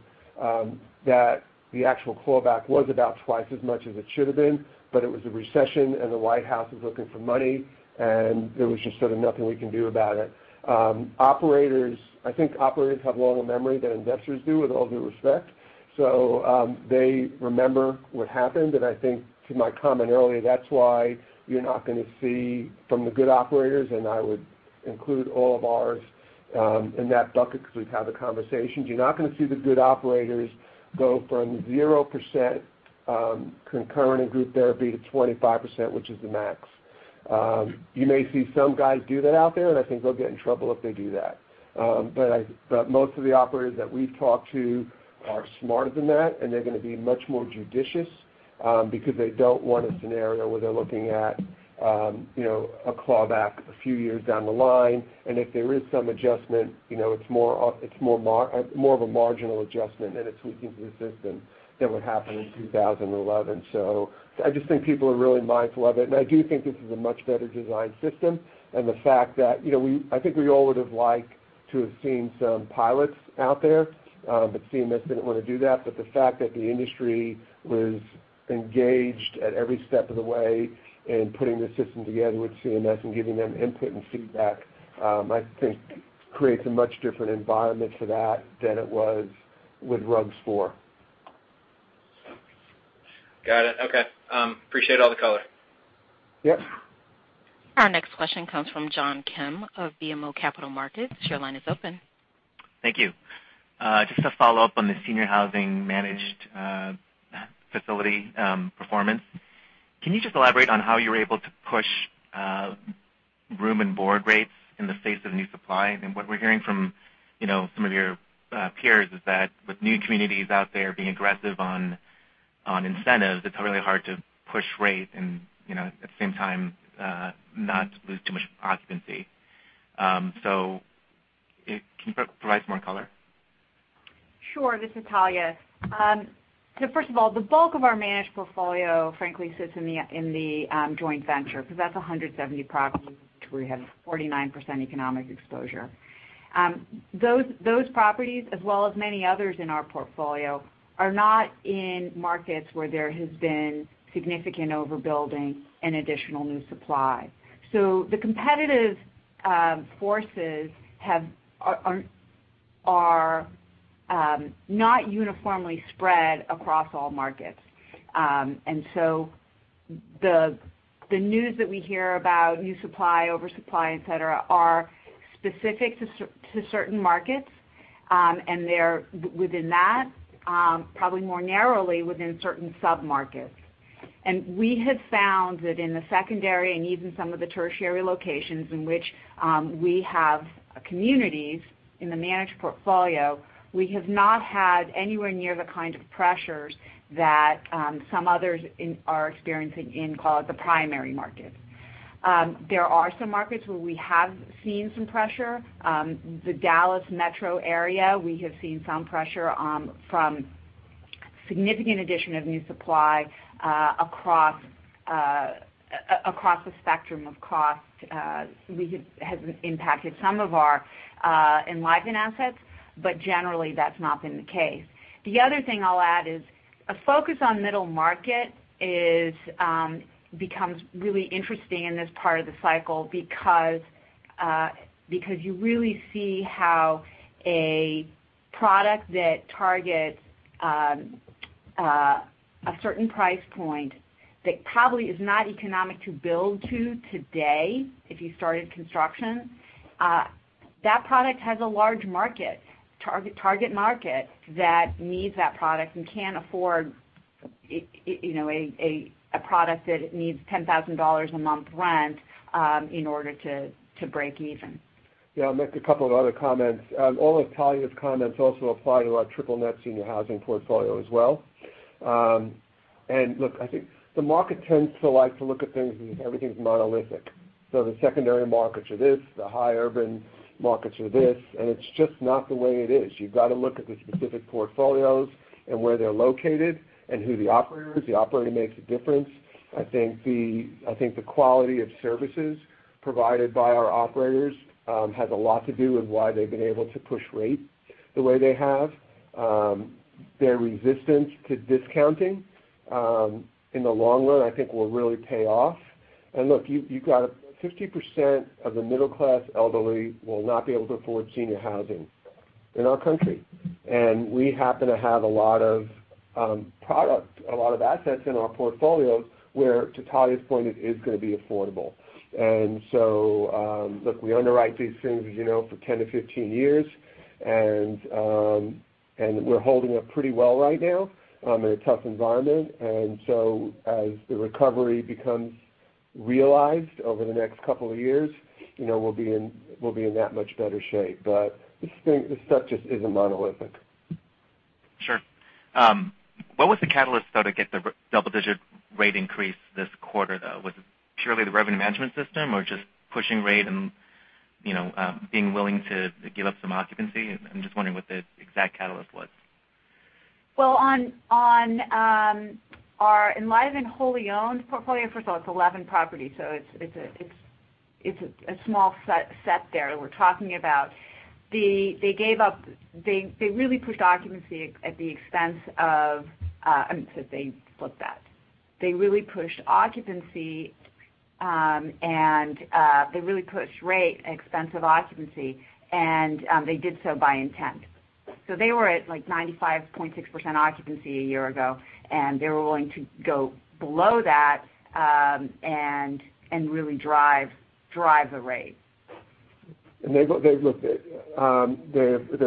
that the actual clawback was about twice as much as it should have been. It was a recession, and the White House was looking for money, and there was just sort of nothing we can do about it. I think operators have longer memory than investors do, with all due respect. They remember what happened, and I think to my comment earlier, that's why you're not going to see from the good operators, and I would include all of ours in that bucket because we've had the conversations. You're not going to see the good operators go from 0% concurrent group therapy to 25%, which is the max. You may see some guys do that out there, and I think they'll get in trouble if they do that. Most of the operators that we've talked to are smarter than that, and they're going to be much more judicious, because they don't want a scenario where they're looking at a clawback a few years down the line. If there is some adjustment, it's more of a marginal adjustment and a tweaking to the system than what happened in 2011. I just think people are really mindful of it, and I do think this is a much better designed system. The fact that, I think we all would have liked to have seen some pilots out there, but CMS didn't want to do that. The fact that the industry was engaged at every step of the way in putting the system together with CMS and giving them input and feedback, I think creates a much different environment for that than it was with RUG-IV. Got it. Okay. Appreciate all the color. Yep. Our next question comes from John Kim of BMO Capital Markets. Your line is open. Thank you. Just to follow up on the seniors housing managed facility performance. Can you just elaborate on how you were able to push room and board rates in the face of new supply? What we're hearing from some of your peers is that with new communities out there being aggressive on incentives, it's really hard to push rates and, at the same time, not lose too much occupancy. Can you provide some more color? Sure. This is Talya. First of all, the bulk of our managed portfolio, frankly, sits in the joint venture, because that's 170 properties, which we have 49% economic exposure. Those properties, as well as many others in our portfolio, are not in markets where there has been significant overbuilding and additional new supply. The competitive forces are not uniformly spread across all markets. The news that we hear about new supply, oversupply, et cetera, are specific to certain markets, and within that, probably more narrowly within certain sub-markets. We have found that in the secondary and even some of the tertiary locations in which we have communities in the managed portfolio, we have not had anywhere near the kind of pressures that some others are experiencing in, call it, the primary markets. There are some markets where we have seen some pressure. The Dallas metro area, we have seen some pressure from significant addition of new supply across the spectrum of cost has impacted some of our Enlivant assets, but generally, that's not been the case. The other thing I'll add is a focus on middle market becomes really interesting in this part of the cycle because you really see how a product that targets a certain price point that probably is not economic to build to today, if you started construction, that product has a large target market that needs that product and can't afford a product that needs $10,000 a month rent in order to break even. Yeah, I'll make a couple of other comments. All of Talya's comments also apply to our triple-net senior housing portfolio as well. Look, I think the market tends to like to look at things as if everything's monolithic. The secondary markets are this, the high urban markets are this, and it's just not the way it is. You've got to look at the specific portfolios and where they're located and who the operator is. The operator makes a difference. I think the quality of services provided by our operators has a lot to do with why they've been able to push rate the way they have. Their resistance to discounting, in the long run, I think will really pay off. Look, you've got 50% of the middle-class elderly will not be able to afford senior housing in our country. We happen to have a lot of product, a lot of assets in our portfolios where, to Talya's point, it is going to be affordable. Look, we underwrite these things, as you know, for 10 to 15 years, and we're holding up pretty well right now in a tough environment. As the recovery becomes realized over the next couple of years, we'll be in that much better shape. This stuff just isn't monolithic. Sure. What was the catalyst, though, to get the double-digit rate increase this quarter, though? Was it purely the revenue management system or just pushing rate and being willing to give up some occupancy? I'm just wondering what the exact catalyst was. Well, on our Enlivant wholly owned portfolio, first of all, it's 11 properties, so it's a small set there that we're talking about. They really pushed occupancy at the expense of I'm sorry, they flipped that. They really pushed rate at expense of occupancy, and they did so by intent. They were at, like, 95.6% occupancy a year ago, and they were willing to go below that and really drive the rate. Look, their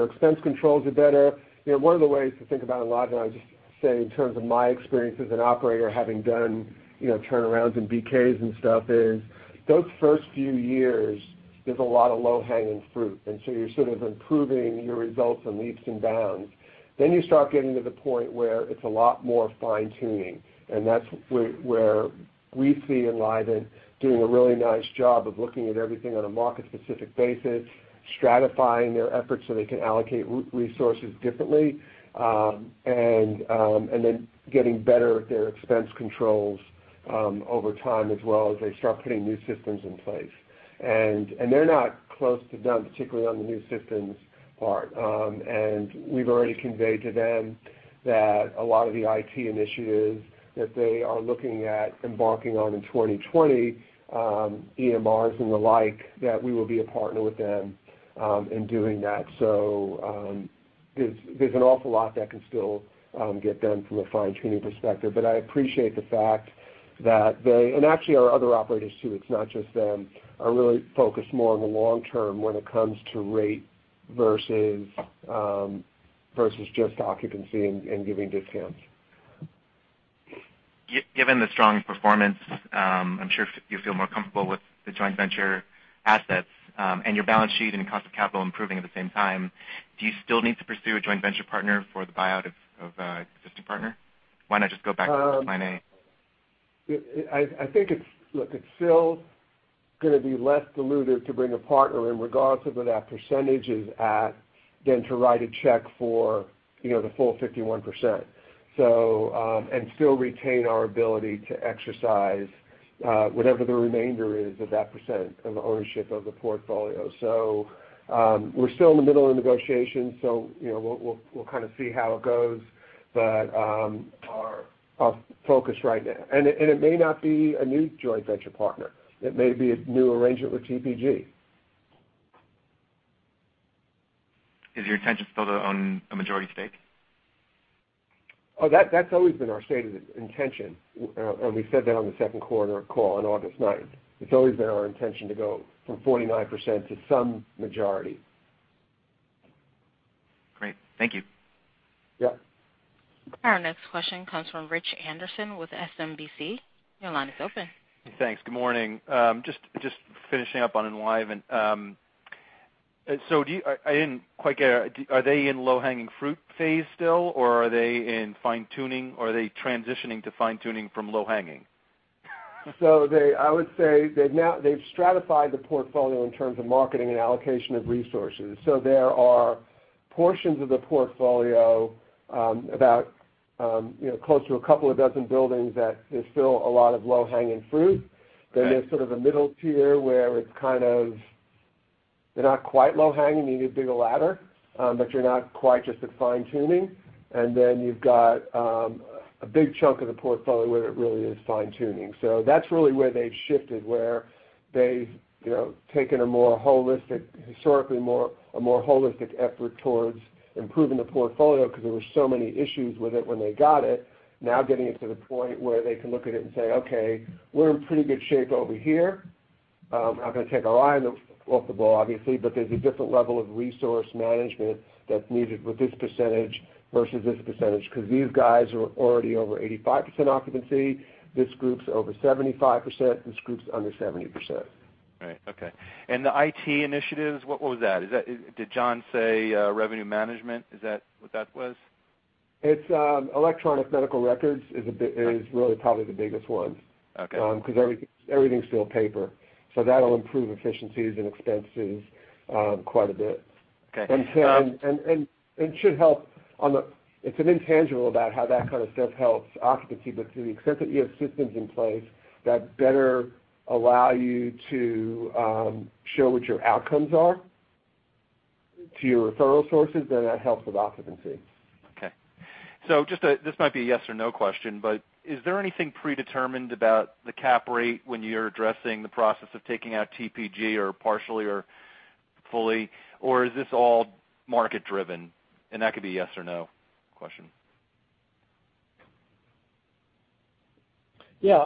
expense controls are better. One of the ways to think about Enlivant, I'll just say in terms of my experience as an operator, having done turnarounds and BKs and stuff is, those first few years, there's a lot of low-hanging fruit, so you're sort of improving your results in leaps and bounds. You start getting to the point where it's a lot more fine-tuning, and that's where we see Enlivant doing a really nice job of looking at everything on a market-specific basis, stratifying their efforts so they can allocate resources differently, and then getting better at their expense controls over time as well as they start putting new systems in place. They're not close to done, particularly on the new systems part. We've already conveyed to them that a lot of the IT initiatives that they are looking at embarking on in 2020, EMRs and the like, that we will be a partner with them in doing that. There's an awful lot that can still get done from a fine-tuning perspective, but I appreciate the fact that they, and actually our other operators, too, it's not just them, are really focused more on the long term when it comes to rate versus just occupancy and giving discounts. Given the strong performance, I'm sure you feel more comfortable with the joint venture assets and your balance sheet and cost of capital improving at the same time. Do you still need to pursue a joint venture partner for the buyout of existing partner? Why not just go back to Plan A? Look, it's still going to be less dilutive to bring a partner in, regardless of what that percentage is at, than to write a check for the full 51%, and still retain our ability to exercise whatever the remainder is of that % of ownership of the portfolio. We're still in the middle of negotiations, so we'll kind of see how it goes. Our focus right now. It may not be a new joint venture partner. It may be a new arrangement with TPG. Is your intention still to own a majority stake? Oh, that's always been our stated intention, and we said that on the second quarter call on August 9th. It's always been our intention to go from 49% to some majority. Great. Thank you. Yeah. Our next question comes from Rich Anderson with SMBC. Your line is open. Thanks. Good morning. Just finishing up on Enlivant, I didn't quite get it. Are they in low-hanging fruit phase still, or are they in fine-tuning, or are they transitioning to fine-tuning from low-hanging? I would say they've stratified the portfolio in terms of marketing and allocation of resources. There are portions of the portfolio, about close to a couple of dozen buildings, that there's still a lot of low-hanging fruit. Right. There's sort of a middle tier where they're not quite low-hanging, you need a bigger ladder, but you're not quite just at fine-tuning. You've got a big chunk of the portfolio where it really is fine-tuning. That's really where they've shifted, where they've taken a more holistic, historically a more holistic effort towards improving the portfolio because there were so many issues with it when they got it. Now getting it to the point where they can look at it and say, "Okay, we're in pretty good shape over here." Not going to take our eye off the ball, obviously, but there's a different level of resource management that's needed with this percentage versus this percentage because these guys are already over 85% occupancy. This group's over 75%. This group's under 70%. Right. Okay. The IT initiatives, what was that? Did John say revenue management? Is that what that was? It's Electronic Medical Records, is really probably the biggest one. Okay. Because everything's still paper. That'll improve efficiencies and expenses quite a bit. Okay. It should help. It's an intangible about how that kind of stuff helps occupancy, but to the extent that you have systems in place that better allow you to show what your outcomes are to your referral sources, then that helps with occupancy. Okay. This might be a yes or no question, but is there anything predetermined about the cap rate when you're addressing the process of taking out TPG, or partially or fully, or is this all market driven? That could be a yes or no question. Yeah.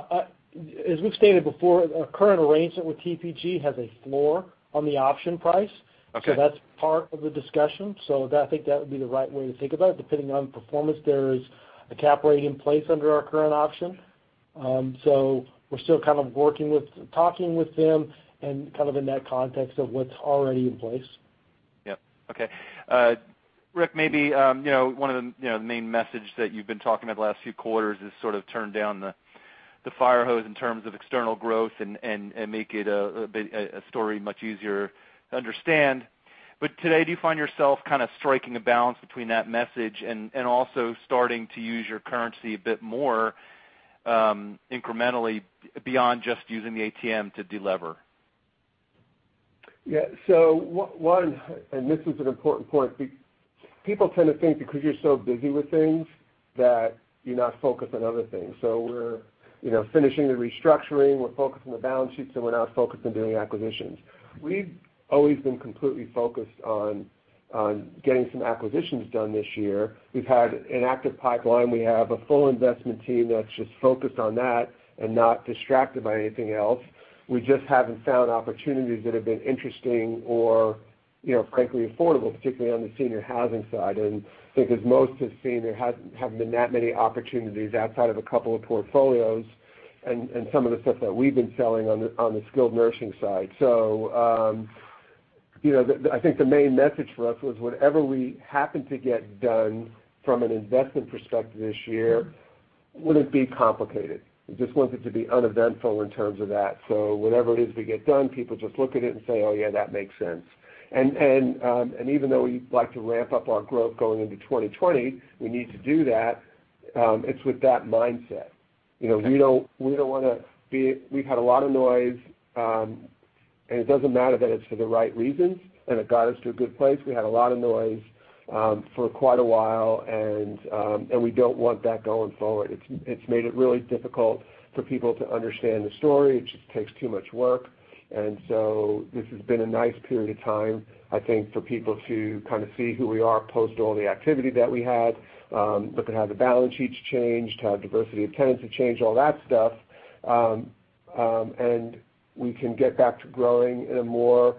As we've stated before, our current arrangement with TPG has a floor on the option price. Okay. That's part of the discussion. I think that would be the right way to think about it, depending on performance. There is a cap rate in place under our current option. We're still kind of working with, talking with them, and kind of in that context of what's already in place. Yep. Okay. Rick, maybe one of the main messages that you've been talking about the last few quarters is sort of turn down the fire hose in terms of external growth and make it a story much easier to understand. Today, do you find yourself kind of striking a balance between that message and also starting to use your currency a bit more incrementally beyond just using the ATM to de-lever? Yeah. One, this is an important point, people tend to think because you're so busy with things that you're not focused on other things. We're finishing the restructuring, we're focused on the balance sheet, so we're not focused on doing acquisitions. We've always been completely focused on getting some acquisitions done this year. We've had an active pipeline. We have a full investment team that's just focused on that and not distracted by anything else. We just haven't found opportunities that have been interesting or frankly affordable, particularly on the senior housing side. I think as most have seen, there haven't been that many opportunities outside of a couple of portfolios and some of the stuff that we've been selling on the skilled nursing side. I think the main message for us was whatever we happen to get done from an investment perspective this year wouldn't be complicated. We just want it to be uneventful in terms of that. Whatever it is we get done, people just look at it and say, "Oh, yeah, that makes sense." Even though we'd like to ramp up our growth going into 2020, we need to do that. It's with that mindset. We've had a lot of noise, and it doesn't matter that it's for the right reasons and it got us to a good place. We had a lot of noise for quite a while, and we don't want that going forward. It's made it really difficult for people to understand the story. It just takes too much work. This has been a nice period of time, I think, for people to kind of see who we are post all the activity that we had, look at how the balance sheet's changed, how diversity of tenants have changed, all that stuff. We can get back to growing in a more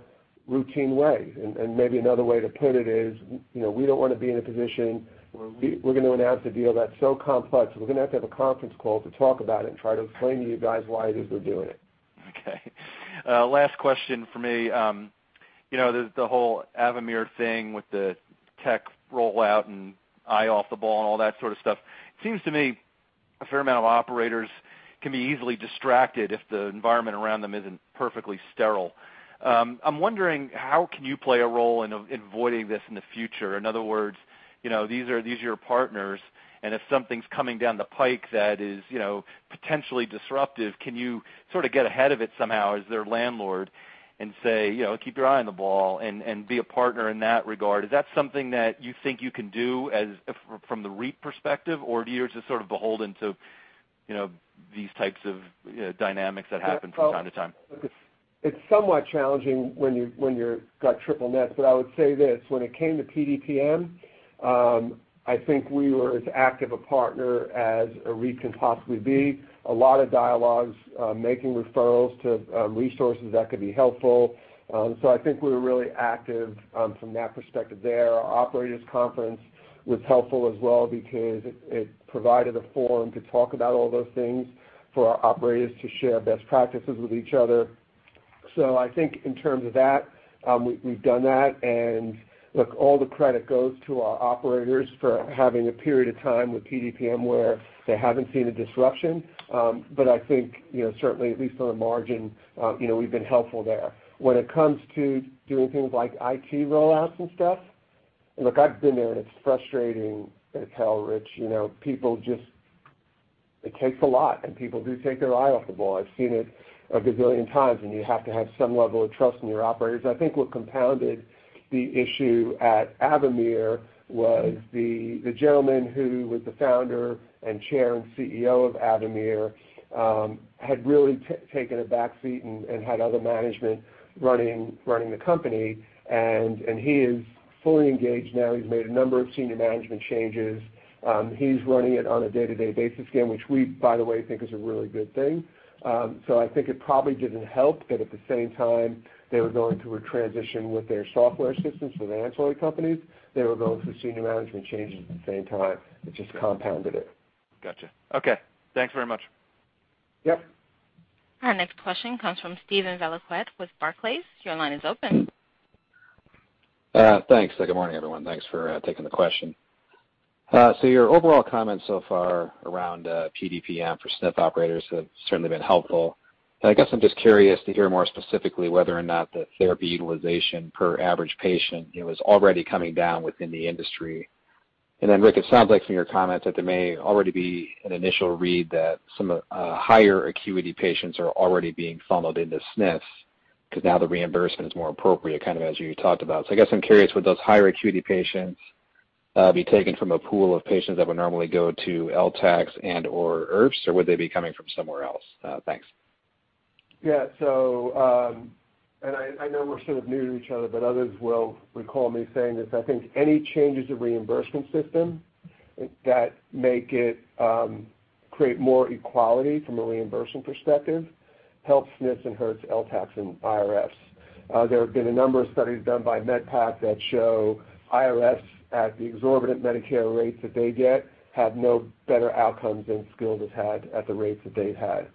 routine way. Maybe another way to put it is, we don't want to be in a position where we're going to announce a deal that's so complex, we're going to have to have a conference call to talk about it and try to explain to you guys why it is we're doing it. Okay. Last question from me. The whole Avamere thing with the tech rollout and eye off the ball and all that sort of stuff, it seems to me a fair amount of operators can be easily distracted if the environment around them isn't perfectly sterile. I'm wondering, how can you play a role in avoiding this in the future? In other words, these are your partners, if something's coming down the pike that is potentially disruptive, can you sort of get ahead of it somehow as their landlord and say, "Keep your eye on the ball," and be a partner in that regard? Is that something that you think you can do from the REIT perspective, are you just sort of beholden to these types of dynamics that happen from time to time? It's somewhat challenging when you've got triple-net. I would say this, when it came to PDPM, I think we were as active a partner as a REIT can possibly be. A lot of dialogues, making referrals to resources that could be helpful. I think we were really active from that perspective there. Our operators conference was helpful as well because it provided a forum to talk about all those things for our operators to share best practices with each other. I think in terms of that, we've done that, and look, all the credit goes to our operators for having a period of time with PDPM where they haven't seen a disruption. I think, certainly, at least on the margin, we've been helpful there. When it comes to doing things like IT rollouts and stuff, look, I've been there, and it's frustrating as hell, Rich. It takes a lot, and people do take their eye off the ball. I've seen it a gazillion times, and you have to have some level of trust in your operators. I think what compounded the issue at Avamere was the gentleman who was the founder and chair and CEO of Avamere had really taken a back seat and had other management running the company, and he is fully engaged now. He's made a number of senior management changes. He's running it on a day-to-day basis again, which we, by the way, think is a really good thing. I think it probably didn't help that at the same time, they were going through a transition with their software systems, with the ancillary companies. They were going through senior management changes at the same time, which just compounded it. Got you. Okay. Thanks very much. Yep. Our next question comes from Steven Valiquette with Barclays. Your line is open. Thanks. Good morning, everyone. Thanks for taking the question. Your overall comments so far around PDPM for SNF operators have certainly been helpful. I guess I'm just curious to hear more specifically whether or not the therapy utilization per average patient was already coming down within the industry. Rick, it sounds like from your comments that there may already be an initial read that some higher acuity patients are already being funneled into SNFs, because now the reimbursement is more appropriate, kind of as you talked about. I guess I'm curious, would those higher acuity patients be taken from a pool of patients that would normally go to LTACs and/or IRFs, or would they be coming from somewhere else? Thanks. Yeah. I know we're sort of new to each other, but others will recall me saying this. I think any changes to reimbursement system that make it create more equality from a reimbursement perspective helps SNFs and hurts LTACs and IRFs. There have been a number of studies done by MedPAC that show IRFs, at the exorbitant Medicare rates that they get, have no better outcomes than skilled has had at the rates that they've had.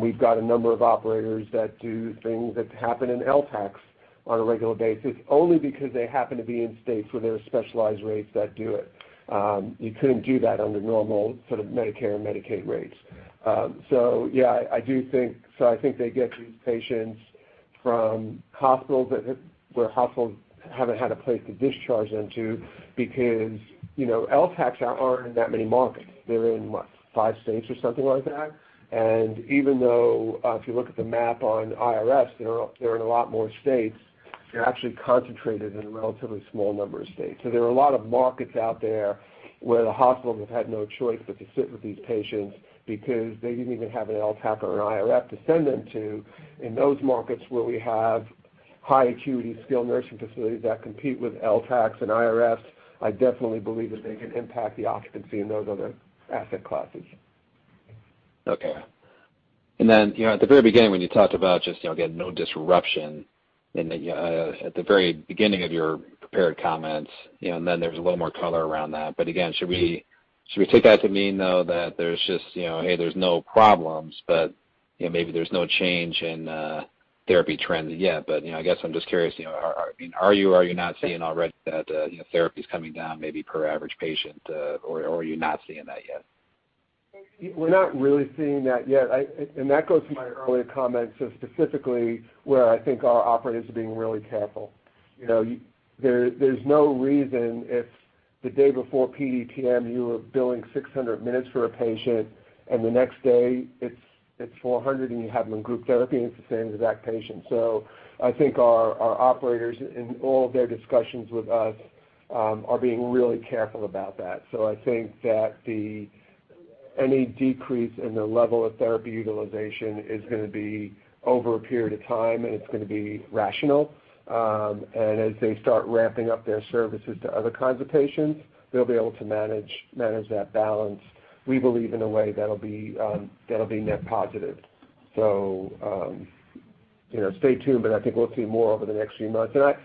We've got a number of operators that do things that happen in LTACs on a regular basis, only because they happen to be in states where there are specialized rates that do it. You couldn't do that under normal Medicare and Medicaid rates. I think they get these patients from hospitals, where hospitals haven't had a place to discharge them to because LTACs aren't in that many markets. They're in, what, five states or something like that. Even though if you look at the map on IRFs, they're in a lot more states, they're actually concentrated in a relatively small number of states. There are a lot of markets out there where the hospitals have had no choice but to sit with these patients because they didn't even have an LTAC or an IRF to send them to. In those markets where we have high acuity skilled nursing facilities that compete with LTACs and IRFs, I definitely believe that they can impact the occupancy in those other asset classes. Okay. At the very beginning, when you talked about just getting no disruption at the very beginning of your prepared comments, there was a little more color around that. Again, should we take that to mean, though, that there's just, hey, there's no problems, but maybe there's no change in therapy trends yet? I guess I'm just curious, are you or are you not seeing already that therapy's coming down maybe per average patient, or are you not seeing that yet? We're not really seeing that yet, and that goes to my earlier comments of specifically where I think our operators are being really careful. There's no reason if the day before PDPM, you were billing 600 minutes for a patient, and the next day it's 400, and you have them in group therapy, and it's the same exact patient. I think our operators, in all of their discussions with us, are being really careful about that. I think that any decrease in the level of therapy utilization is going to be over a period of time, and it's going to be rational. As they start ramping up their services to other kinds of patients, they'll be able to manage that balance, we believe, in a way that'll be net positive. Stay tuned, I think we'll see more over the next few months. I've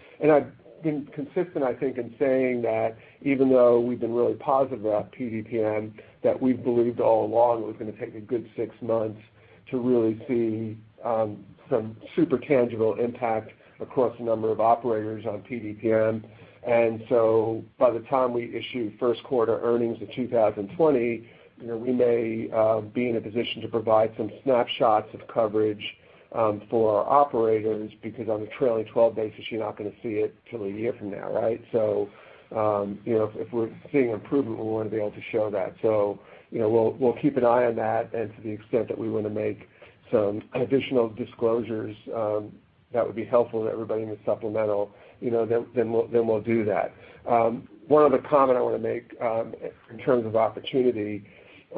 been consistent, I think, in saying that even though we've been really positive about PDPM, that we've believed all along it was going to take a good six months to really see some super tangible impact across a number of operators on PDPM. By the time we issue first quarter earnings in 2020, we may be in a position to provide some snapshots of coverage for our operators, because on a trailing 12 basis, you're not going to see it till a year from now, right? If we're seeing improvement, we want to be able to show that. We'll keep an eye on that, and to the extent that we want to make some additional disclosures that would be helpful to everybody in the supplemental, then we'll do that. One other comment I want to make in terms of opportunity.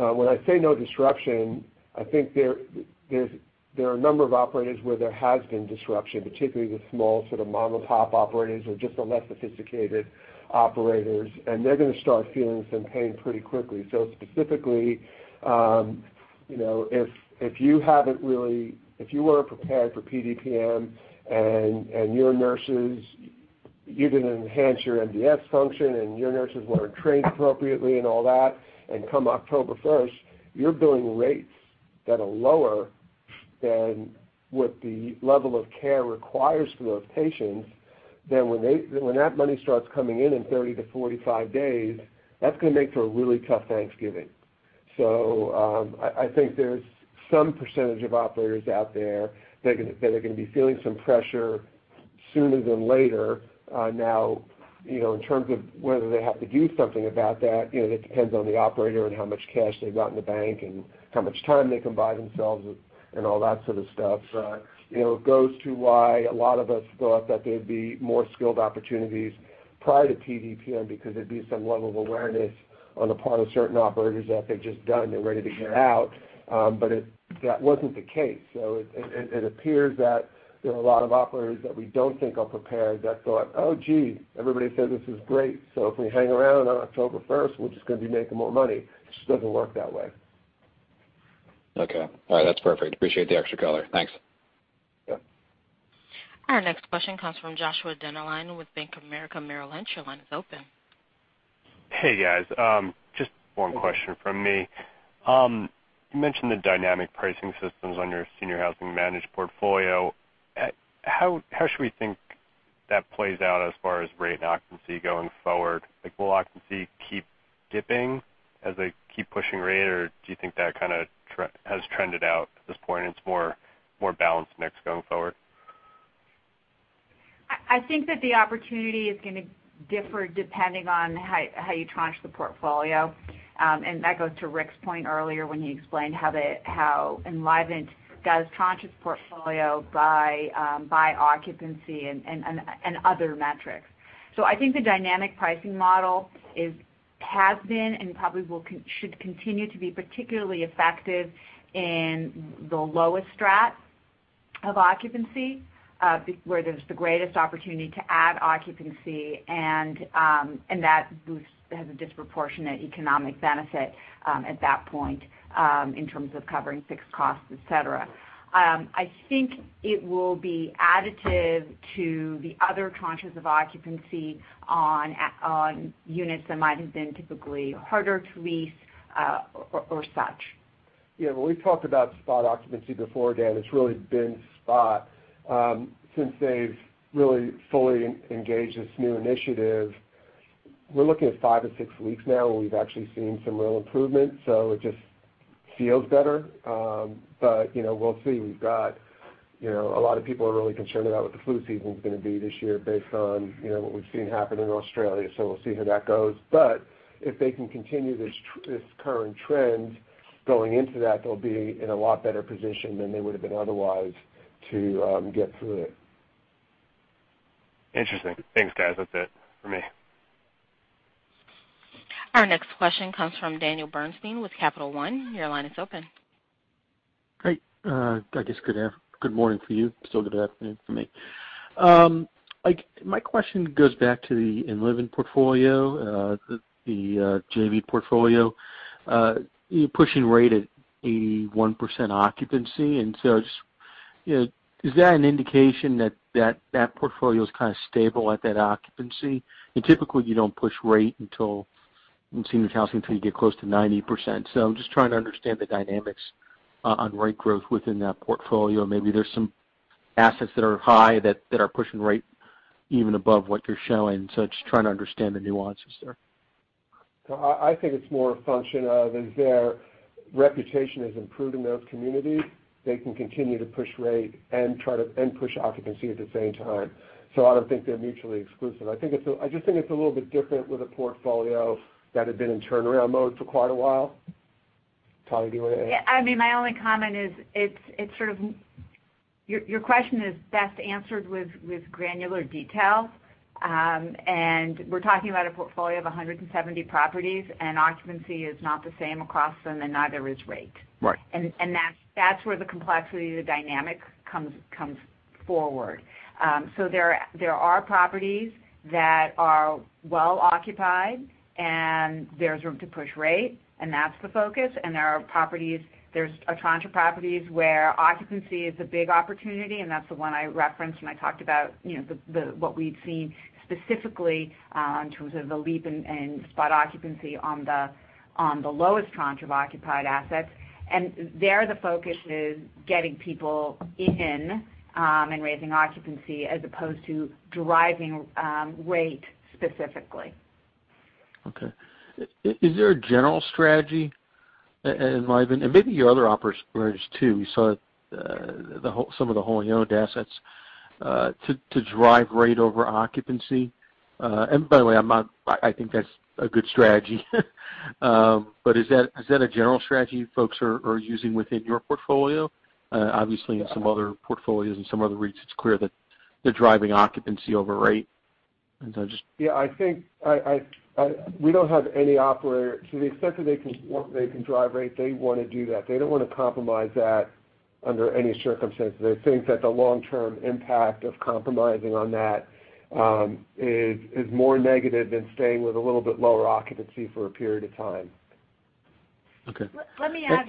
When I say no disruption, I think there are a number of operators where there has been disruption, particularly the small mom-and-pop operators or just the less sophisticated operators, and they're going to start feeling some pain pretty quickly. Specifically, if you weren't prepared for PDPM, and you didn't enhance your MDS function, and your nurses weren't trained appropriately and all that, and come October 1st, you're billing rates that are lower than what the level of care requires for those patients, then when that money starts coming in in 30-45 days, that's going to make for a really tough Thanksgiving. I think there's some percentage of operators out there that are going to be feeling some pressure sooner than later. In terms of whether they have to do something about that, it depends on the operator and how much cash they've got in the bank and how much time they can buy themselves and all that sort of stuff. It goes to why a lot of us thought that there'd be more skilled opportunities prior to PDPM because there'd be some level of awareness on the part of certain operators that they're just done, they're ready to get out. That wasn't the case. It appears that there are a lot of operators that we don't think are prepared that thought, "Oh, gee, everybody said this is great, so if we hang around on October 1st, we're just going to be making more money." It just doesn't work that way. Okay. All right. That's perfect. Appreciate the extra color. Thanks. Yeah. Our next question comes from Joshua Dennerline with Bank of America Merrill Lynch. Your line is open. Hey, guys. Just one question from me. You mentioned the dynamic pricing systems on your seniors housing managed portfolio. How should we think that plays out as far as rate and occupancy going forward? Like, will occupancy keep dipping as they keep pushing rate, or do you think that has trended out at this point and it's more balanced mix going forward? I think that the opportunity is going to differ depending on how you tranche the portfolio. That goes to Rick's point earlier when he explained how Enlivant does tranche its portfolio by occupancy and other metrics. I think the dynamic pricing model has been and probably should continue to be particularly effective in the lowest strat of occupancy, where there's the greatest opportunity to add occupancy, and that has a disproportionate economic benefit at that point, in terms of covering fixed costs, et cetera. I think it will be additive to the other tranches of occupancy on units that might have been typically harder to lease or such. When we've talked about spot occupancy before, Dan, it's really been spot. Since they've really fully engaged this new initiative, we're looking at five to six weeks now where we've actually seen some real improvement. It just feels better. A lot of people are really concerned about what the flu season's going to be this year based on what we've seen happen in Australia. We'll see how that goes. If they can continue this current trend going into that, they'll be in a lot better position than they would've been otherwise to get through it. Interesting. Thanks, guys. That's it from me. Our next question comes from Daniel Bernstein with Capital One. Your line is open. Great. I guess good morning for you, still good afternoon for me. My question goes back to the Enlivant portfolio, the JV portfolio. You're pushing rate at 81% occupancy. Is that an indication that that portfolio is kind of stable at that occupancy? Typically, you don't push rate until, in senior housing, till you get close to 90%. I'm just trying to understand the dynamics on rate growth within that portfolio. Maybe there's some assets that are high that are pushing rate even above what you're showing. Just trying to understand the nuances there. I think it's more a function of, as their reputation is improved in those communities, they can continue to push rate and push occupancy at the same time. I don't think they're mutually exclusive. I just think it's a little bit different with a portfolio that had been in turnaround mode for quite a while. Talya, do you want to add? Yeah. My only comment is it's sort of. Your question is best answered with granular detail. We're talking about a portfolio of 170 properties, and occupancy is not the same across them, and neither is rate. Right. That's where the complexity, the dynamic comes forward. There are properties that are well occupied and there's room to push rate, and that's the focus. There's a tranche of properties where occupancy is a big opportunity, and that's the one I referenced when I talked about what we'd seen specifically in terms of the leap in spot occupancy on the lowest tranche of occupied assets. There, the focus is getting people in and raising occupancy as opposed to driving rate specifically. Okay. Is there a general strategy at Enlivant, and maybe your other operators too, we saw some of the whole-owned assets to drive rate over occupancy? By the way, I think that's a good strategy. Is that a general strategy you folks are using within your portfolio? Obviously, in some other portfolios and some other REITs, it's clear that they're driving occupancy over rate. Yeah, we don't have any operator. To the extent that they can drive rate, they want to do that. They don't want to compromise that under any circumstances. They think that the long-term impact of compromising on that is more negative than staying with a little bit lower occupancy for a period of time. Okay. Let me add-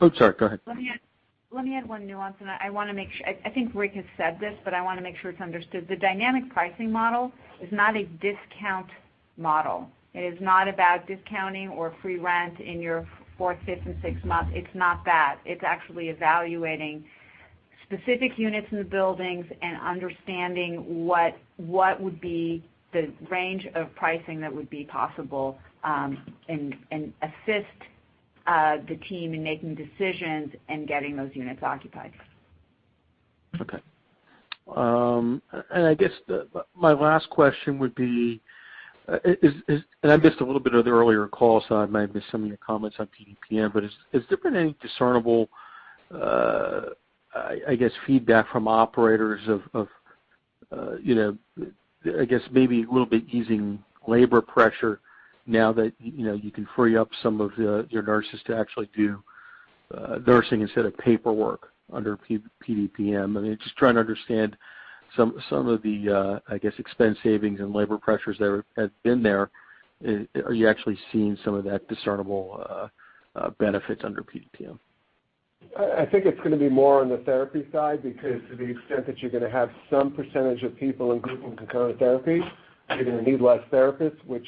Oh, sorry. Go ahead. Let me add one nuance, and I think Rick has said this, but I want to make sure it's understood. The dynamic pricing model is not a discount model. It is not about discounting or free rent in your fourth, fifth, and sixth month. It's not that. It's actually evaluating specific units in the buildings and understanding what would be the range of pricing that would be possible, and assist the team in making decisions and getting those units occupied. Okay. I guess my last question would be, I missed a little bit of the earlier call, so I might have missed some of your comments on PDPM. Has there been any discernible, I guess, feedback from operators of, I guess, maybe a little bit easing labor pressure now that you can free up some of your nurses to actually do nursing instead of paperwork under PDPM? I mean, just trying to understand some of the, I guess, expense savings and labor pressures that have been there. Are you actually seeing some of that discernible benefits under PDPM? I think it's going to be more on the therapy side, because to the extent that you're going to have some percentage of people in group and concurrent therapy, you're going to need less therapists, which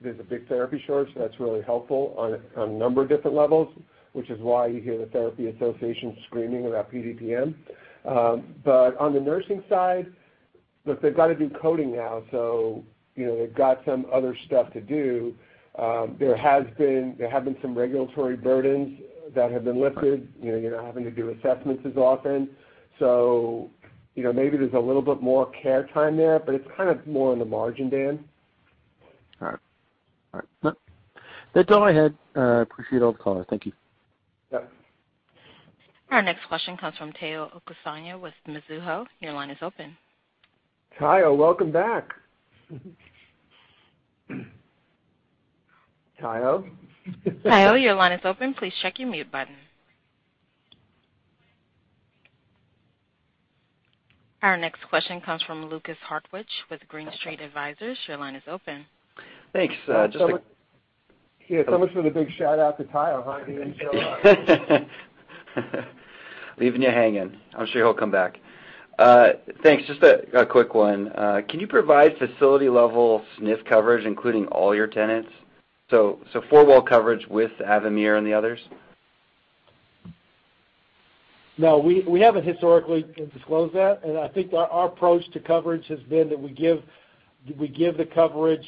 there's a big therapy shortage, that's really helpful on a number of different levels, which is why you hear the therapy association screaming about PDPM. On the nursing side, look, they've got to do coding now, they've got some other stuff to do. There have been some regulatory burdens that have been lifted. You're not having to do assessments as often. Maybe there's a little bit more care time there, it's kind of more on the margin, Dan. All right. That's all I had. I appreciate all the color. Thank you. Yeah. Our next question comes from Tayo Okosanya with Mizuho. Your line is open. Tayo, welcome back. Tayo? Tayo, your line is open. Please check your mute button. Our next question comes from Lukas Hartwich with Green Street Advisors. Your line is open. Thanks. Yeah, so much for the big shout-out to Tayo, huh? He didn't show up. Leaving you hanging. I'm sure he'll come back. Thanks. Just a quick one. Can you provide facility-level SNF coverage, including all your tenants? Four-wall coverage with Avamere and the others? No, we haven't historically disclosed that. I think our approach to coverage has been that we give the coverage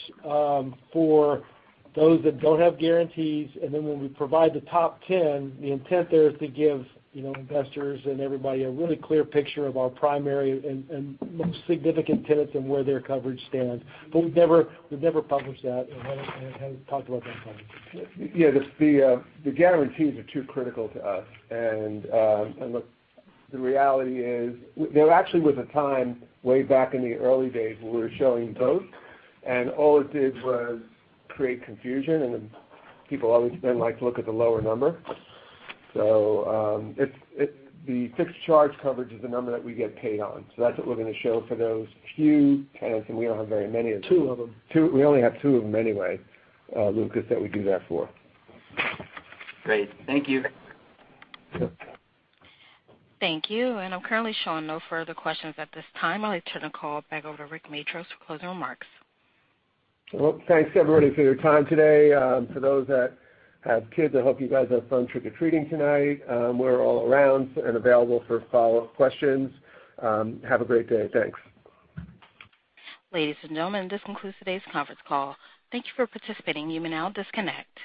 for those that don't have guarantees, and then when we provide the top 10, the intent there is to give investors and everybody a really clear picture of our primary and most significant tenants and where their coverage stands. We've never published that and haven't talked about that in public. Yeah, the guarantees are too critical to us. Look, the reality is there actually was a time way back in the early days where we were showing both, and all it did was create confusion, and people always then like to look at the lower number. The fixed charge coverage is the number that we get paid on. That's what we're going to show for those few tenants, and we don't have very many of them. Two of them. We only have two of them anyway, Lukas, that we do that for. Great. Thank you. Yep. Thank you. I'm currently showing no further questions at this time. I'll let turn the call back over to Rick Matros for closing remarks. Well, thanks everybody for your time today. For those that have kids, I hope you guys have fun trick-or-treating tonight. We're all around and available for follow-up questions. Have a great day. Thanks. Ladies and gentlemen, this concludes today's conference call. Thank you for participating. You may now disconnect.